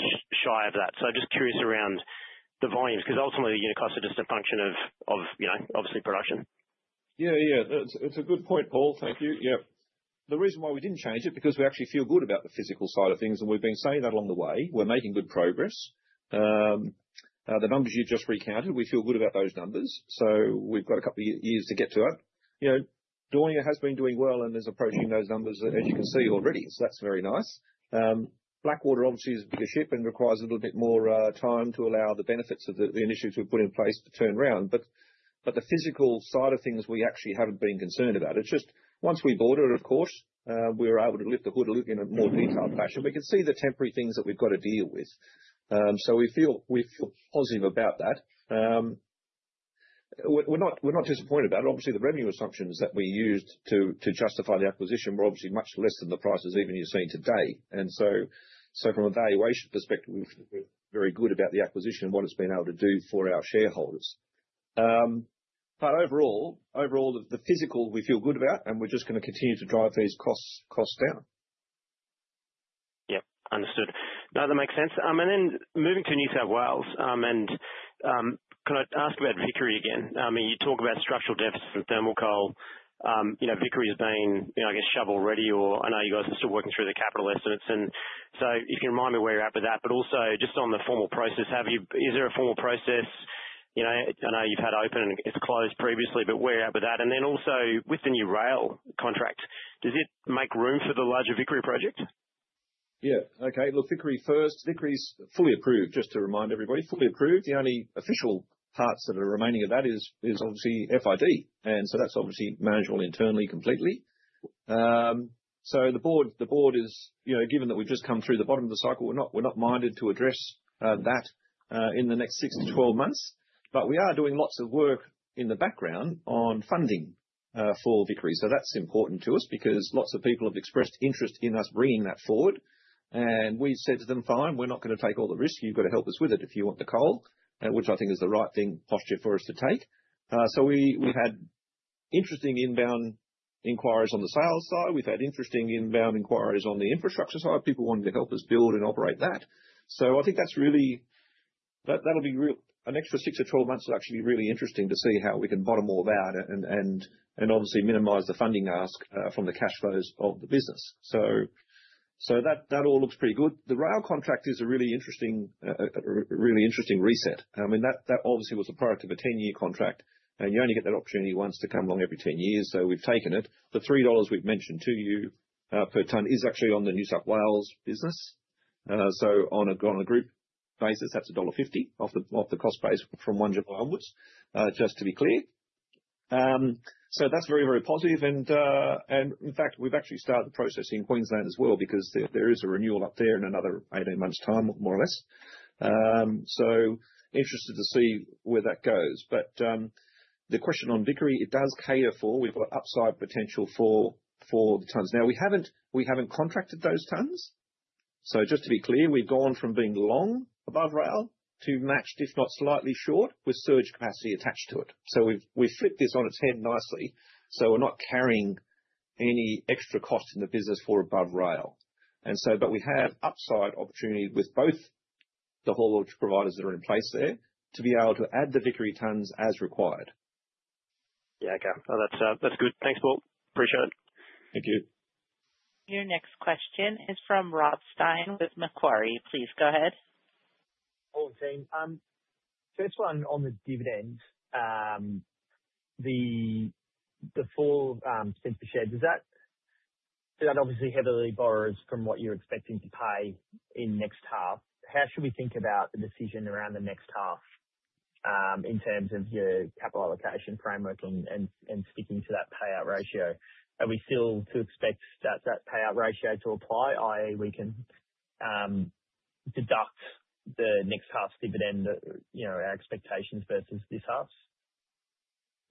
shy of that. So just curious around the volumes, because ultimately, unit costs are just a function of, you know, obviously production. Yeah, yeah, that's... It's a good point, Paul. Thank you. Yeah. The reason why we didn't change it, because we actually feel good about the physical side of things, and we've been saying that along the way. We're making good progress. The numbers you've just recounted, we feel good about those numbers, so we've got a couple of years to get to it. You know, Daunia has been doing well and is approaching those numbers, as you can see already, so that's very nice. Blackwater obviously is a bigger ship and requires a little bit more time to allow the benefits of the initiatives we've put in place to turn around, but the physical side of things we actually haven't been concerned about. It's just, once we bought it, of course, we were able to lift the hood and look in a more detailed fashion. We can see the temporary things that we've got to deal with. So we feel positive about that. We're not disappointed about it. Obviously, the revenue assumptions that we used to justify the acquisition were obviously much less than the prices even you're seeing today. And so from a valuation perspective, we feel very good about the acquisition and what it's been able to do for our shareholders. But overall, the physical we feel good about, and we're just gonna continue to drive these costs down. Yep, understood. No, that makes sense. And then moving to New South Wales, and can I ask about Vickery again? I mean, you talk about structural deficits and thermal coal. You know, Vickery has been, you know, I guess, shovel-ready, or I know you guys are still working through the capital estimates, and so if you can remind me where you're at with that, but also just on the formal process, have you-- is there a formal process? You know, I know you've had open and it's closed previously, but where are you at with that? And then also, with the new rail contract, does it make room for the larger Vickery project? Yeah. Okay, look, Vickery first. Vickery is fully approved, just to remind everybody, fully approved. The only official parts that are remaining of that is obviously FID, and so that's obviously manageable internally, completely. So the board is... You know, given that we've just come through the bottom of the cycle, we're not, we're not minded to address that in the next 6-12 months. But we are doing lots of work in the background on funding for Vickery. So that's important to us because lots of people have expressed interest in us bringing that forward. And we said to them, "Fine, we're not gonna take all the risk. You've got to help us with it if you want the coal." Which I think is the right thing, posture for us to take. So we've had interesting inbound inquiries on the sales side. We've had interesting inbound inquiries on the infrastructure side, people wanting to help us build and operate that. So I think that's really... That'll be real. The next 6-12 months will actually be really interesting to see how we can bottom all that and obviously minimize the funding ask from the cash flows of the business. So that all looks pretty good. The rail contract is a really interesting reset. I mean, that obviously was a product of a 10-year contract, and you only get that opportunity once to come along every 10 years, so we've taken it. The 3 dollars we've mentioned to you per ton is actually on the New South Wales business. So on a group basis, that's dollar 1.50 off the cost base from 1 July onwards, just to be clear. So that's very, very positive and in fact, we've actually started the process in Queensland as well, because there is a renewal up there in another 18 months' time, more or less. So interested to see where that goes. But the question on Vickery, it does cater for... We've got upside potential for the tonnes. Now, we haven't contracted those tonnes, so just to be clear, we've gone from being long above rail to matched, if not slightly short, with surge capacity attached to it. So we've flipped this on its head nicely, so we're not carrying any extra cost in the business for above rail. We have upside opportunity with both the haulage providers that are in place there to be able to add the Vickery tonnes as required. Yeah, okay. Well, that's, that's good. Thanks, Paul. Appreciate it. Thank you. Your next question is from Rob Stein with Macquarie. Please go ahead. Paul and team, first one on the dividends. The full cents per share, does that... That obviously heavily borrows from what you're expecting to pay in next half. How should we think about the decision around the next half, in terms of your capital allocation framework and sticking to that payout ratio? Are we still to expect that payout ratio to apply, i.e., we can deduct the next half's dividend, you know, our expectations versus this half?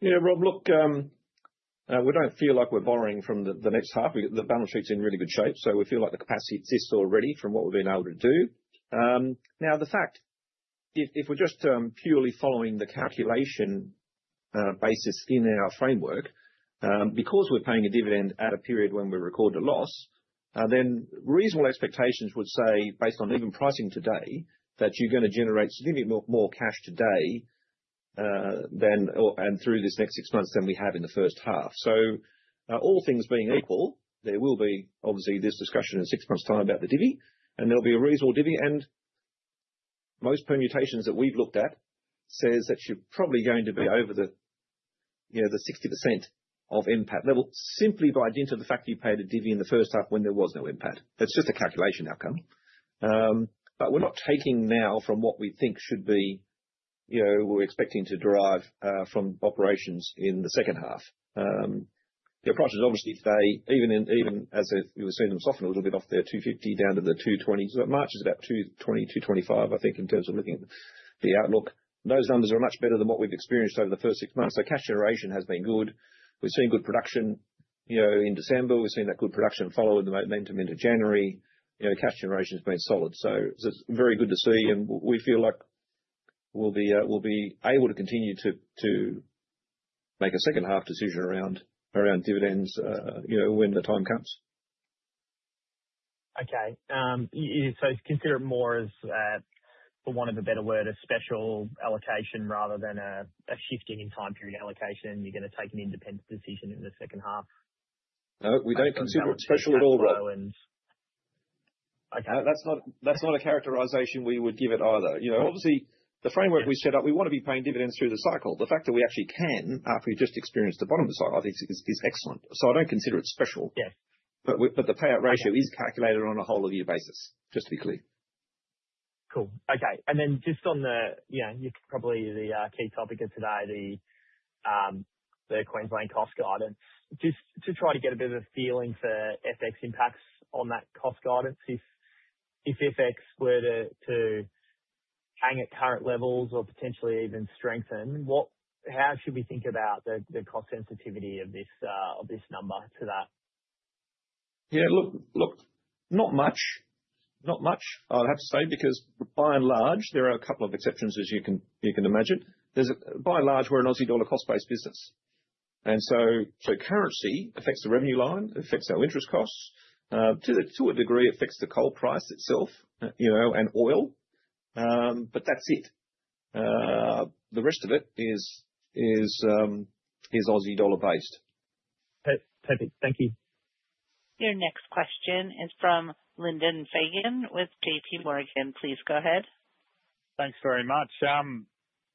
Yeah, Rob, look, we don't feel like we're borrowing from the next half. The balance sheet's in really good shape, so we feel like the capacity exists already from what we've been able to do. Now, the fact, if we're just purely following the calculation basis in our framework, because we're paying a dividend at a period when we record a loss, then reasonable expectations would say, based on even pricing today, that you're gonna generate significantly more cash today than, and through this next six months than we have in the first half. So, now, all things being equal, there will be obviously this discussion in six months' time about the divvy, and there'll be a reasonable divvy, and most permutations that we've looked at says that you're probably going to be over the, you know, the 60% of impact level, simply by virtue of the fact that you paid a divvy in the first half when there was no impact. That's just a calculation outcome. But we're not taking now from what we think should be, you know, we're expecting to derive from operations in the second half. The approach is obviously if they, even in, even as if we were seeing them soften a little bit off their 250 down to the AUD 220s, March is about 220-225, I think in terms of looking at the outlook. Those numbers are much better than what we've experienced over the first six months. So cash generation has been good. We've seen good production, you know, in December. We've seen that good production follow the momentum into January. You know, cash generation has been solid, so it's very good to see, and we feel like we'll be able to continue to make a second half decision around dividends, you know, when the time comes. Okay. So consider it more as, for want of a better word, a special allocation rather than a shifting in time period allocation. You're gonna take an independent decision in the second half? No, we don't consider it special at all, Rob. Okay. That's not, that's not a characterization we would give it either. You know, obviously, the framework we set up, we want to be paying dividends through the cycle. The fact that we actually can, after we've just experienced the bottom of the cycle, I think is, is excellent. So I don't consider it special. Yeah. But the payout ratio is calculated on a whole of year basis, just to be clear. Cool. Okay, and then just on the, you know, probably the key topic of today, the Queensland cost guidance. Just to try to get a bit of a feeling for FX impacts on that cost guidance, if FX were to hang at current levels or potentially even strengthen, what - how should we think about the cost sensitivity of this number to that? Yeah, look, not much. Not much, I would have to say, because by and large, there are a couple of exceptions, as you can imagine. By and large, we're an Aussie dollar cost-based business, and so currency affects the revenue line, it affects our interest costs to a degree, it affects the coal price itself, you know, and oil, but that's it. The rest of it is Aussie dollar based. Perfect. Thank you. Your next question is from Lyndon Fagan with JPMorgan. Please go ahead. Thanks very much.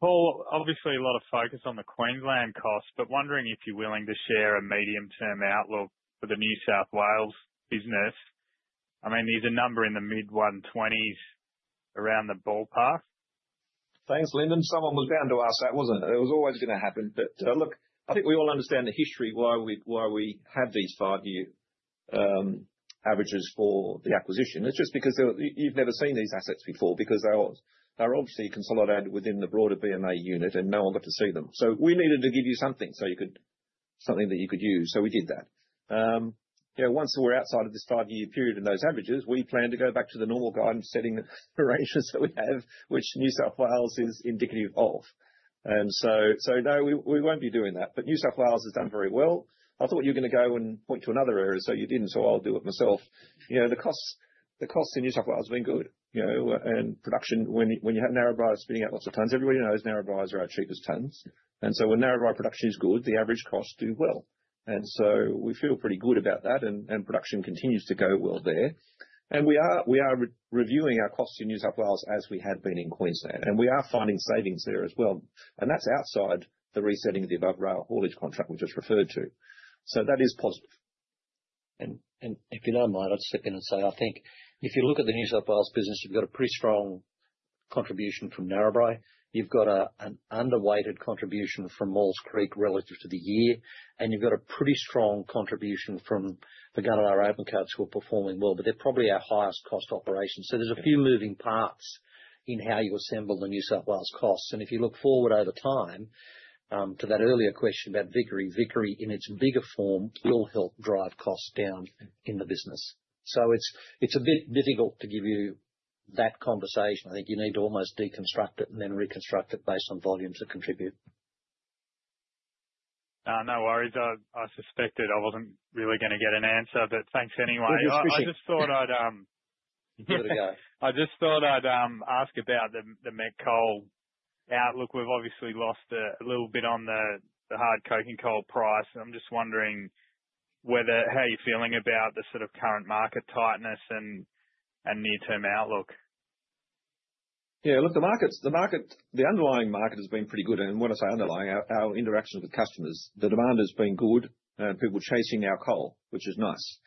Paul, obviously a lot of focus on the Queensland cost, but wondering if you're willing to share a medium-term outlook for the New South Wales business. I mean, there's a number in the mid-120s around the ballpark. Thanks, Lyndon. Someone was bound to ask that, wasn't it? It was always gonna happen. But, look, I think we all understand the history, why we, why we had these five-year averages for the acquisition. It's just because you, you've never seen these assets before, because they are, they're obviously consolidated within the broader BMA unit, and no one got to see them. So we needed to give you something, so you could... Something that you could use, so we did that. You know, once we're outside of this five-year period in those averages, we plan to go back to the normal guidance setting arrangements that we have, which New South Wales is indicative of. And so, so no, we, we won't be doing that. But New South Wales has done very well. I thought you were gonna go and point to another area, so you didn't, so I'll do it myself. You know, the costs, the costs in New South Wales have been good, you know, and production, when, when you have Narrabri spinning out lots of tonnes, everybody knows Narrabri is our cheapest tonnes. And so when Narrabri production is good, the average costs do well. And so we feel pretty good about that, and, and production continues to go well there. And we are, we are re-reviewing our costs in New South Wales as we have been in Queensland, and we are finding savings there as well, and that's outside the resetting of the above rail haulage contract we just referred to. So that is positive. And if you don't mind, I'll just step in and say, I think if you look at the New South Wales business, you've got a pretty strong contribution from Narrabri. You've got an underweighted contribution from Maules Creek relative to the year, and you've got a pretty strong contribution from the Gunnedah open cuts, who are performing well, but they're probably our highest cost operations. So there's a few moving parts in how you assemble the New South Wales costs. And if you look forward over time, to that earlier question about Vickery, Vickery, in its bigger form, will help drive costs down in the business. So it's a bit difficult to give you that conversation. I think you need to almost deconstruct it and then reconstruct it based on volumes that contribute. No worries. I suspected I wasn't really gonna get an answer, but thanks anyway. Good discussion. I just thought I'd ask about the met coal outlook. We've obviously lost a little bit on the hard coking coal price, and I'm just wondering whether... how you're feeling about the sort of current market tightness and near-term outlook? Yeah, look, the market's, the market, the underlying market has been pretty good, and when I say underlying, our, our interaction with customers. The demand has been good, people chasing our coal, which is nice.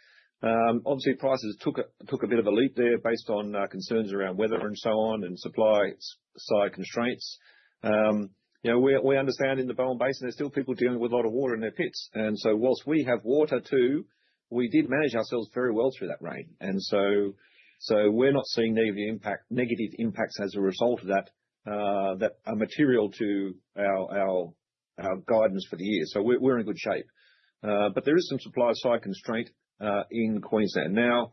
Obviously, prices took a, took a bit of a leap there based on concerns around weather and so on, and supply-side constraints. You know, we, we understand in the Bowen Basin, there's still people dealing with a lot of water in their pits. And so whilst we have water too, we did manage ourselves very well through that rain. And so, so we're not seeing negative impact, negative impacts as a result of that, that are material to our, our, our guidance for the year. So we're, we're in good shape. But there is some supply-side constraint in Queensland. Now,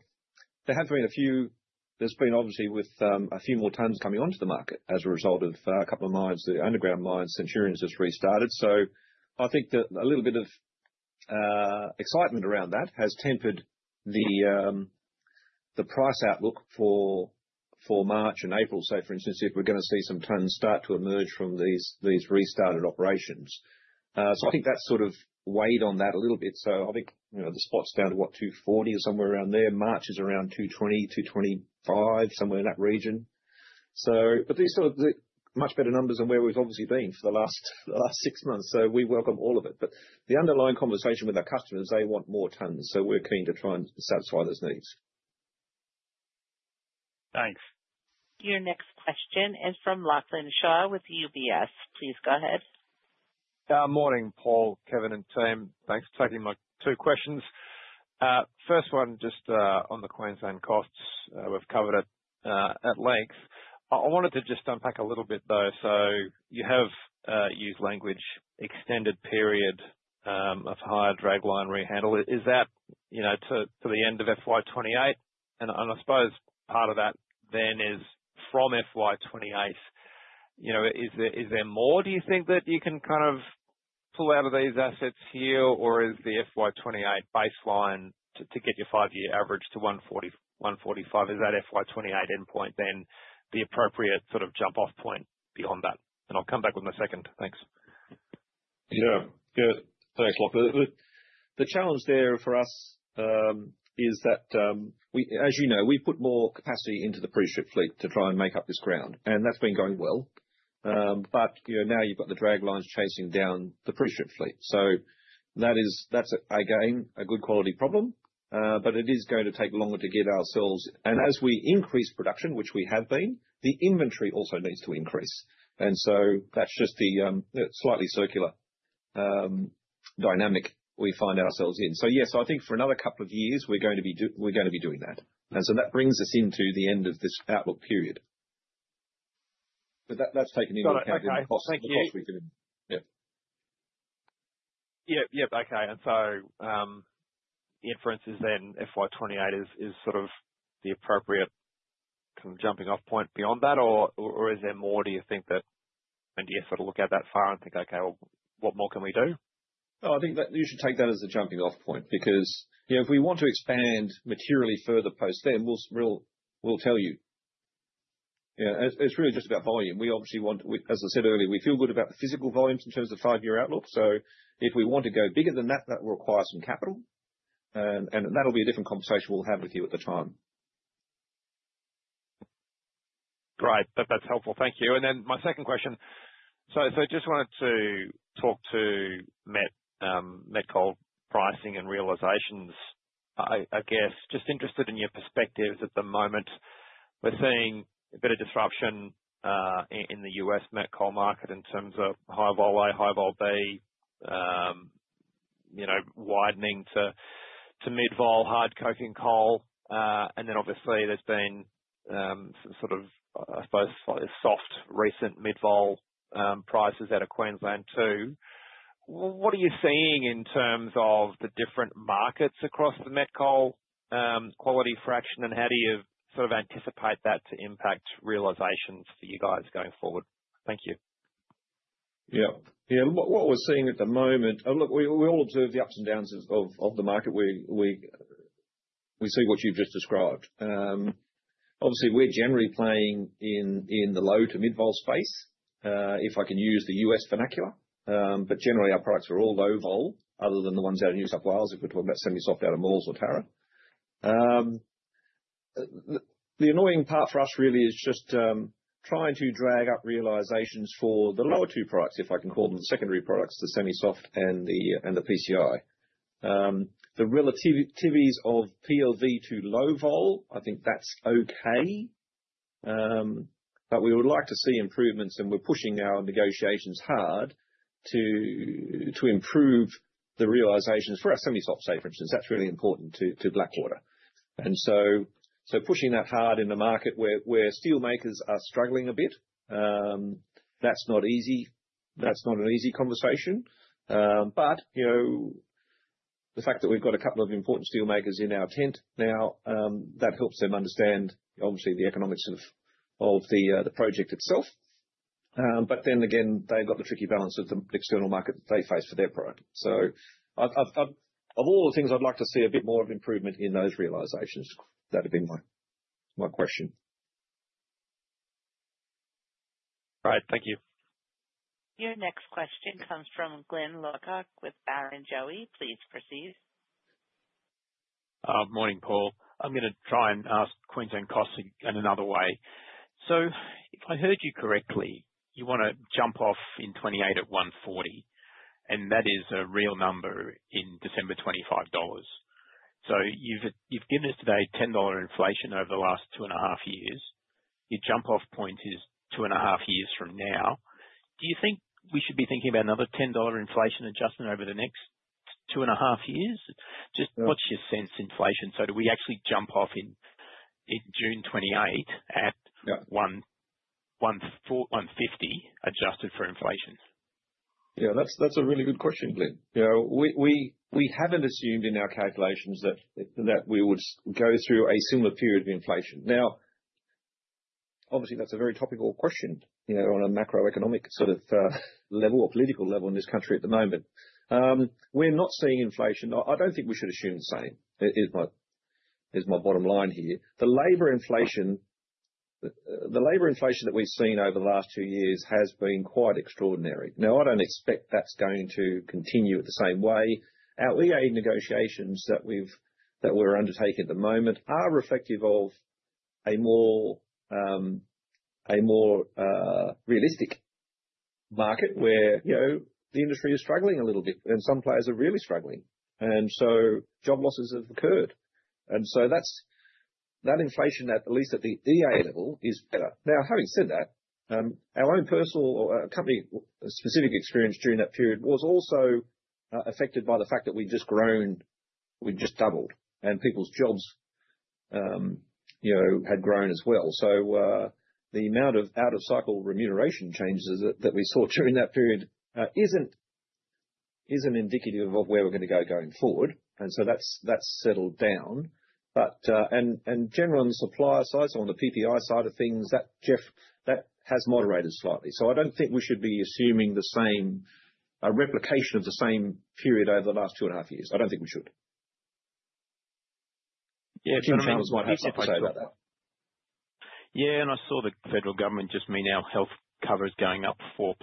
there have been a few. There's been obviously with a few more tonnes coming onto the market as a result of a couple of mines, the underground mines, Centurion just restarted. So I think that a little bit of excitement around that has tempered the price outlook for March and April, say, for instance, if we're gonna see some tonnes start to emerge from these restarted operations. So I think that sort of weighed on that a little bit. So I think, you know, the spot's down to what? 240 or somewhere around there. March is around 220-225, somewhere in that region. So but these are the much better numbers than where we've obviously been for the last six months, so we welcome all of it. But the underlying conversation with our customers, they want more tonnes, so we're keen to try and satisfy those needs. Thanks. Your next question is from Lachlan Shaw with UBS. Please go ahead. Morning, Paul, Kevin, and team. Thanks for taking my two questions. First one, just on the Queensland costs we've covered at length. I wanted to just unpack a little bit, though. So you have used language, extended period of higher dragline rehandle. Is that, you know, to the end of FY 2028? And I suppose part of that then is from FY 2028, you know, is there more, do you think, that you can kind of pull out of these assets here? Or is the FY 2028 baseline to get your five-year average to 140-145, is that FY 2028 endpoint, then the appropriate sort of jump-off point beyond that? And I'll come back with my second. Thanks. Yeah. Yeah. Thanks, Lachlan. The challenge there for us is that, as you know, we've put more capacity into the pre-strip fleet to try and make up this ground, and that's been going well. But, you know, now you've got the draglines chasing down the pre-strip fleet. So that is, that's, again, a good quality problem, but it is going to take longer to get ourselves... As we increase production, which we have been, the inventory also needs to increase. And so that's just the slightly circular dynamic we find ourselves in. So yes, I think for another couple of years, we're going to be doing that. And so that brings us into the end of this outlook period. But that's taken into account- Okay. Thank you. The costs we've been. Yeah. Yep. Yep. Okay. And so, the inference is then FY 2028 is sort of the appropriate kind of jumping off point beyond that, or, or, or is there more, do you think that... And do you have to look out that far and think, "Okay, well, what more can we do? No, I think that you should take that as a jumping-off point, because, you know, if we want to expand materially further post then, we'll tell you. You know, it's really just about volume. We obviously want. As I said earlier, we feel good about the physical volumes in terms of five-year outlook, so if we want to go bigger than that, that will require some capital, and that'll be a different conversation we'll have with you at the time. Great. That, that's helpful. Thank you. And then my second question: so, so just wanted to talk to met, met coal pricing and realizations. I, I guess, just interested in your perspectives at the moment. We're seeing a bit of disruption, in the U.S. met coal market in terms of High-Vol A, High-Vol B, you know, widening to, to mid-vol, hard coking coal. And then obviously there's been, sort of, I suppose, soft recent Mid-Vol, prices out of Queensland, too. What are you seeing in terms of the different markets across the met coal, quality fraction? And how do you sort of anticipate that to impact realizations for you guys going forward? Thank you. Yeah. Yeah. What, what we're seeing at the moment... Look, we, we, we all observe the ups and downs of, of, of the market. We, we, we see what you've just described. Obviously, we're generally playing in, in the low to mid-vol space, if I can use the U.S. vernacular. But generally, our products are all Low-Vol, other than the ones out of New South Wales, if we're talking about Semi-Soft out of Maules or Tara. The annoying part for us really is just, trying to drag up realizations for the lower two products, if I can call them the secondary products, the Semi-Soft and the, and the PCI. The relativities of PLV to low-vol, I think that's okay. But we would like to see improvements, and we're pushing our negotiations hard to improve the realizations for our Semi-Soft, say, for instance, that's really important to Blackwater. And so pushing that hard in the market where steel makers are struggling a bit, that's not easy. That's not an easy conversation. But, you know, the fact that we've got a couple of important steel makers in our tent now, that helps them understand, obviously, the economics of the project itself. But then again, they've got the tricky balance of the external market that they face for their product. So of all the things, I'd like to see a bit more of improvement in those realizations. That'd be my question. All right. Thank you. Your next question comes from Glyn Lawcock with Barrenjoey. Please proceed. Morning, Paul. I'm gonna try and ask Queensland costs in another way. So if I heard you correctly, you wanna jump off in 2028 at 140, and that is a real number in December 2025 dollars. So you've, you've given us today 10 dollar inflation over the last two and a half years. Your jump-off point is two and a half years from now. Do you think we should be thinking about another 10 dollar inflation adjustment over the next two and a half years? Yeah. Just, what's your sense inflation? So do we actually jump off in June 2028 at- Yeah. 150, adjusted for inflation? Yeah, that's a really good question, Glyn. You know, we haven't assumed in our calculations that we would go through a similar period of inflation. Now, obviously, that's a very topical question, you know, on a macroeconomic sort of level or political level in this country at the moment. We're not seeing inflation. I don't think we should assume the same, is my bottom line here. The labor inflation, the labor inflation that we've seen over the last two years has been quite extraordinary. Now, I don't expect that's going to continue at the same way. Our EA negotiations that we've, that we're undertaking at the moment are reflective of a more, a more, realistic market where, you know, the industry is struggling a little bit, and some players are really struggling, and so job losses have occurred. And so that's, that inflation, at least at the EA level, is better. Now, having said that, our own personal or, company specific experience during that period was also, affected by the fact that we've just grown. We've just doubled, and people's jobs, you know, had grown as well. So, the amount of out-of-cycle remuneration changes that, that we saw during that period, isn't, isn't indicative of where we're gonna go going forward, and so that's, that's settled down. But... Generally on the supplier side, so on the PPI side of things, that, that has moderated slightly. So I don't think we should be assuming the same replication of the same period over the last 2.5 years. I don't think we should. Yeah. Yeah, and I saw the federal government just made our health covers going up 4%+,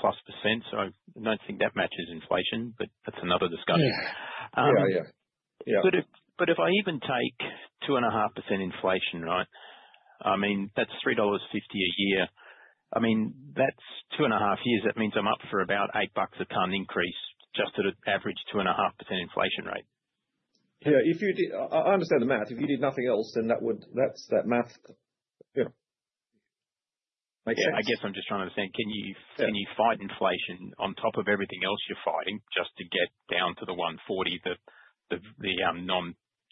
so I don't think that matches inflation, but that's another discussion. Yeah. Yeah, yeah. Yeah. But if I even take 2.5% inflation, right? I mean, that's 3.50 dollars a year. I mean, that's 2.5 years. That means I'm up for about 8 bucks a ton increase, just at an average 2.5% inflation rate. Yeah, if you did... I understand the math. If you did nothing else, then that would, that's that math. Yeah. Makes sense. Yeah, I guess I'm just trying to understand, can you- Yeah. Can you fight inflation on top of everything else you're fighting, just to get down to the 140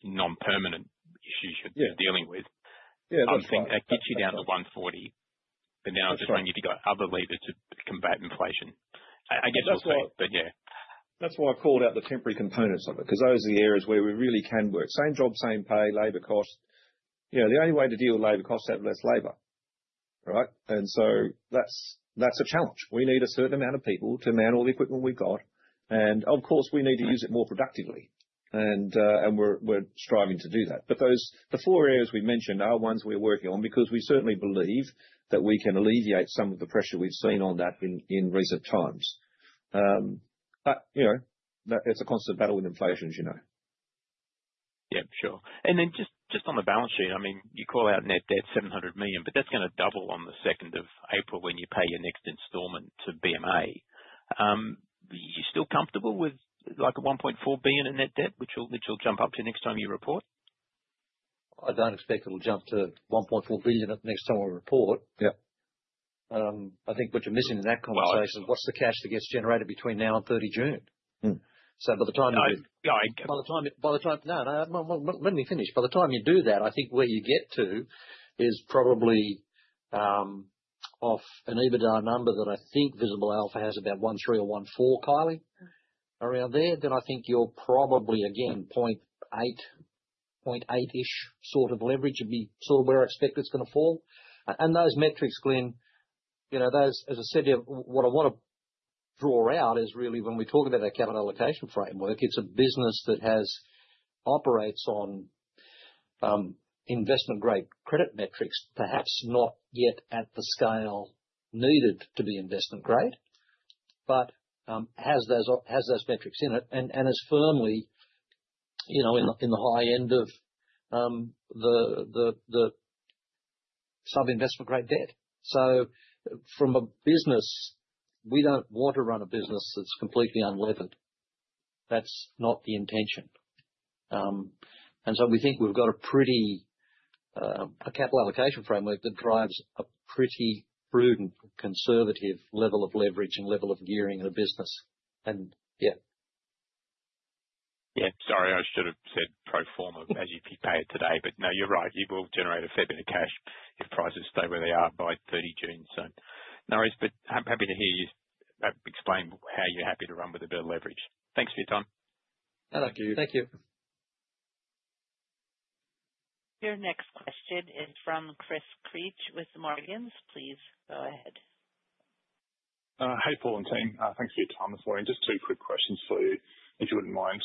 that the non-permanent issues- Yeah. you're dealing with? Yeah, that's right. I'm saying that gets you down to 140. That's right. But now I'm just wondering if you've got other levers to combat inflation. I get your point, but yeah. That's why I called out the temporary components of it, 'cause those are the areas where we really can work. Same Job, Same Pay, labor cost. You know, the only way to deal with labor cost is to have less labor, right? And so that's a challenge. We need a certain amount of people to man all the equipment we've got, and of course, we need to use it more productively. And we're striving to do that. But those, the four areas we mentioned are ones we're working on because we certainly believe that we can alleviate some of the pressure we've seen on that in recent times. But you know, it's a constant battle with inflation, you know? Yeah, sure. And then just on the balance sheet, I mean, you call out net debt, 700 million, but that's gonna double on the second of April when you pay your next installment to BMA. Are you still comfortable with, like, 1.4 billion in net debt, which will jump up to next time you report? I don't expect it'll jump to 1.4 billion next time I report. Yeah. I think what you're missing in that conversation- Well- is what's the cash that gets generated between now and 30 June? Mm-hmm. So by the time you- No, I- No, let me finish. By the time you do that, I think where you get to is probably off an EBITDA number that I think Visible Alpha has about 1.3 or 1.4, Kylie. Around there, then I think you're probably again 0.8, 0.8-ish sort of leverage would be sort of where I expect it's gonna fall. And those metrics, Glenn, you know, those. As I said, yeah, what I wanna draw out is really when we talk about our capital allocation framework, it's a business that has operates on investment-grade credit metrics, perhaps not yet at the scale needed to be investment grade, but has those, has those metrics in it and is firmly, you know, in the high end of the semi-investment grade debt. So from a business, we don't want to run a business that's completely unlevered. That's not the intention. And so we think we've got a pretty capital allocation framework that drives a pretty prudent, conservative level of leverage and level of gearing in the business. And, yeah. Yeah, sorry, I should have said pro forma as if you pay it today. But no, you're right, you will generate a fair bit of cash if prices stay where they are by 30 June. So no worries, but I'm happy to hear you explain how you're happy to run with a bit of leverage. Thanks for your time. Thank you. Thank you. Your next question is from Chris Creech with Morgans. Please go ahead. Hi, Paul and team. Thanks for your time this morning. Just two quick questions for you, if you wouldn't mind.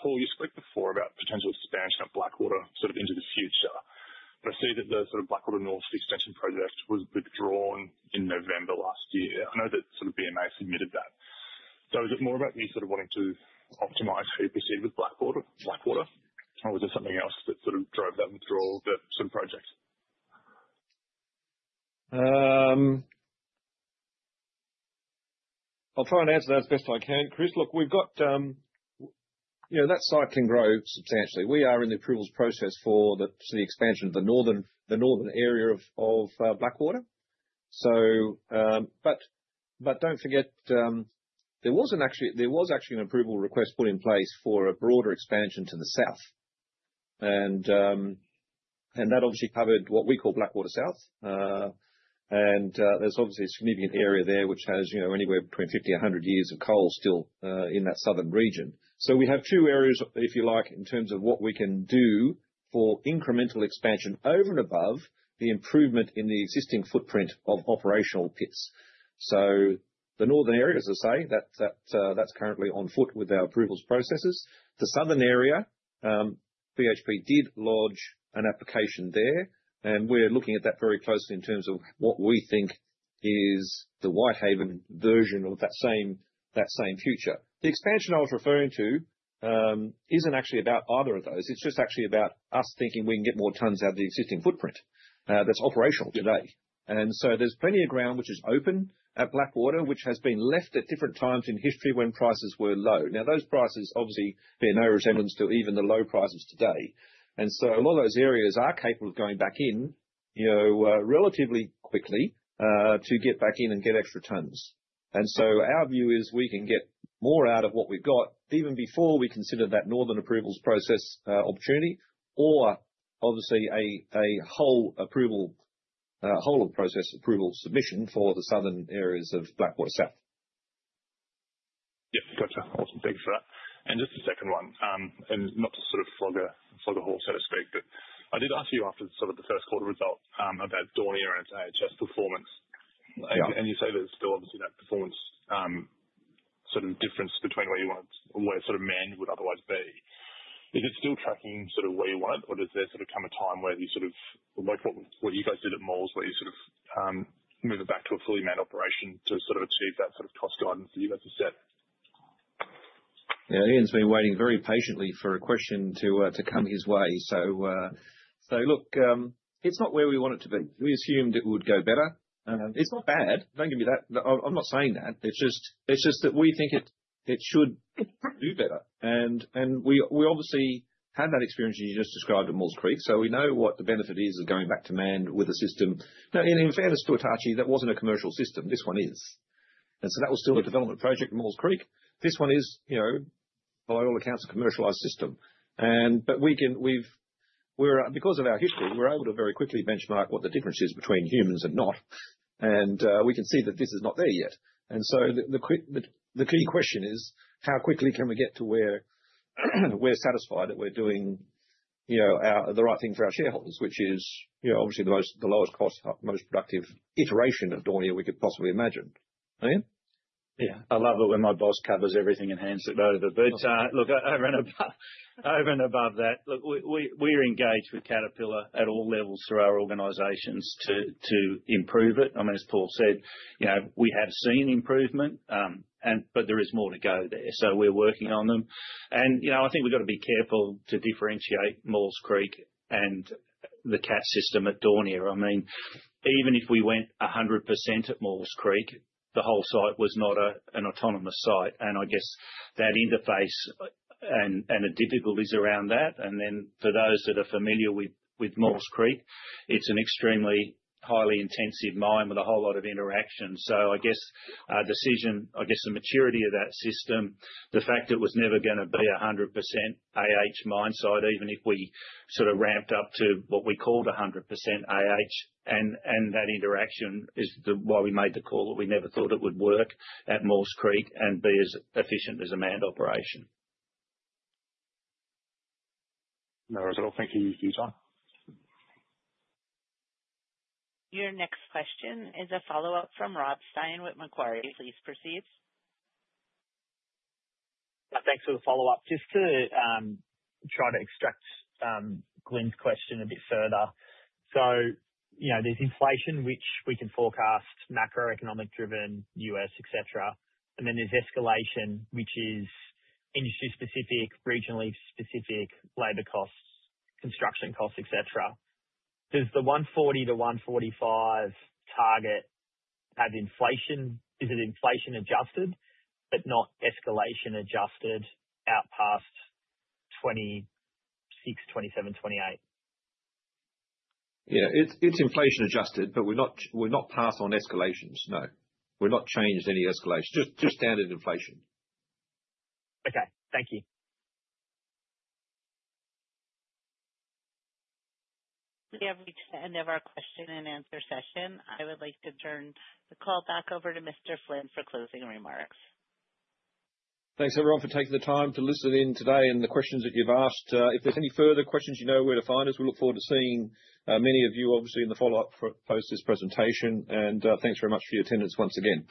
Paul, you spoke before about potential expansion of Blackwater sort of into the future, but I see that the sort of Blackwater Northwest Extension project was withdrawn in November last year. I know that sort of BMA submitted that. So is it more about me sort of wanting to optimize how you proceed with Blackwater? Or was there something else that sort of drove that withdrawal of that sort of project? I'll try and answer that as best I can, Chris. Look, we've got, you know, that site can grow substantially. We are in the approvals process for the expansion of the northern area of Blackwater. So, but don't forget, there was actually an approval request put in place for a broader expansion to the south. And that obviously covered what we call Blackwater South. And there's obviously a significant area there which has, you know, anywhere between 50 and 100 years of coal still in that southern region. So we have two areas, if you like, in terms of what we can do for incremental expansion over and above the improvement in the existing footprint of operational pits. So the northern area, as I say, that's currently on foot with our approvals processes. The southern area, BHP did lodge an application there, and we're looking at that very closely in terms of what we think is the Whitehaven version of that same future. The expansion I was referring to isn't actually about either of those. It's just actually about us thinking we can get more tonnes out of the existing footprint that's operational today. And so there's plenty of ground which is open at Blackwater, which has been left at different times in history when prices were low. Now, those prices obviously bear no resemblance to even the low prices today. And so a lot of those areas are capable of going back in, you know, relatively quickly to get back in and get extra tonnes. Our view is we can get more out of what we've got even before we consider that northern approvals process, opportunity or obviously a whole approval, whole process approval submission for the southern areas of Blackwater South. Yeah, gotcha. Awesome. Thank you for that. Just a second one, and not to sort of flog a horse, so to speak, but I did ask you after the first quarter results about Daunia and AHS performance. Yeah. And you say that it's still obviously that performance, sort of difference between where you want, where sort of manned would otherwise be. Is it still tracking sort of where you want it, or does there sort of come a time where you sort of... like what, what you guys did at Maules, where you sort of, move it back to a fully manned operation to sort of achieve that sort of cost guidance that you guys have set? Yeah, Ian's been waiting very patiently for a question to, to come his way. So, so look, it's not where we want it to be. We assumed it would go better. It's not bad. Don't get me that - I, I'm not saying that. It's just, it's just that we think it, it should do better. And we obviously had that experience as you just described at Maules Creek, so we know what the benefit is of going back to manned with the system. Now, in fairness to Hitachi, that wasn't a commercial system. This one is. And so that was still a development project at Maules Creek. This one is, you know, by all accounts, a commercialized system. And but we can - we're, because of our history, we're able to very quickly benchmark what the difference is between humans and not. We can see that this is not there yet. So the quick, the key question is, how quickly can we get to where we're satisfied that we're doing, you know, the right thing for our shareholders, which is, you know, obviously the most, the lowest cost, highest, most productive iteration of Daunia we could possibly imagine. Ian? Yeah, I love it when my boss covers everything and hands it over. But, look, over and above, over and above that, look, we're engaged with Caterpillar at all levels through our organizations to improve it. I mean, as Paul said, you know, we have seen improvement, and but there is more to go there, so we're working on them. And, you know, I think we've got to be careful to differentiate Maules Creek and the Cat system at Daunia. I mean, even if we went 100% at Maules Creek, the whole site was not an autonomous site. And I guess that interface, and the difficulties around that, and then for those that are familiar with Maules Creek, it's an extremely highly intensive mine with a whole lot of interaction. So, I guess our decision, I guess the maturity of that system, the fact it was never gonna be 100% AH mine site, even if we sort of ramped up to what we called 100% AH, and, and that interaction is the why we made the call, that we never thought it would work at Maules Creek and be as efficient as a manned operation. No, that's all. Thank you, you two. Your next question is a follow-up from Rob Stein with Macquarie. Please proceed. Thanks for the follow-up. Just to try to extract Glyn's question a bit further. So, you know, there's inflation, which we can forecast, macroeconomic-driven, U.S., et cetera, and then there's escalation, which is industry specific, regionally specific, labor costs, construction costs, et cetera. Does the 140-145 target have inflation? Is it inflation adjusted but not escalation adjusted out past 2026, 2027, 2028? Yeah, it's inflation adjusted, but we're not passed on escalations, no. We've not changed any escalation. Just standard inflation. Okay. Thank you. We have reached the end of our question and answer session. I would like to turn the call back over to Mr. Flynn for closing remarks. Thanks, everyone, for taking the time to listen in today and the questions that you've asked. If there's any further questions, you know where to find us. We look forward to seeing many of you obviously in the follow-up post this presentation. Thanks very much for your attendance once again.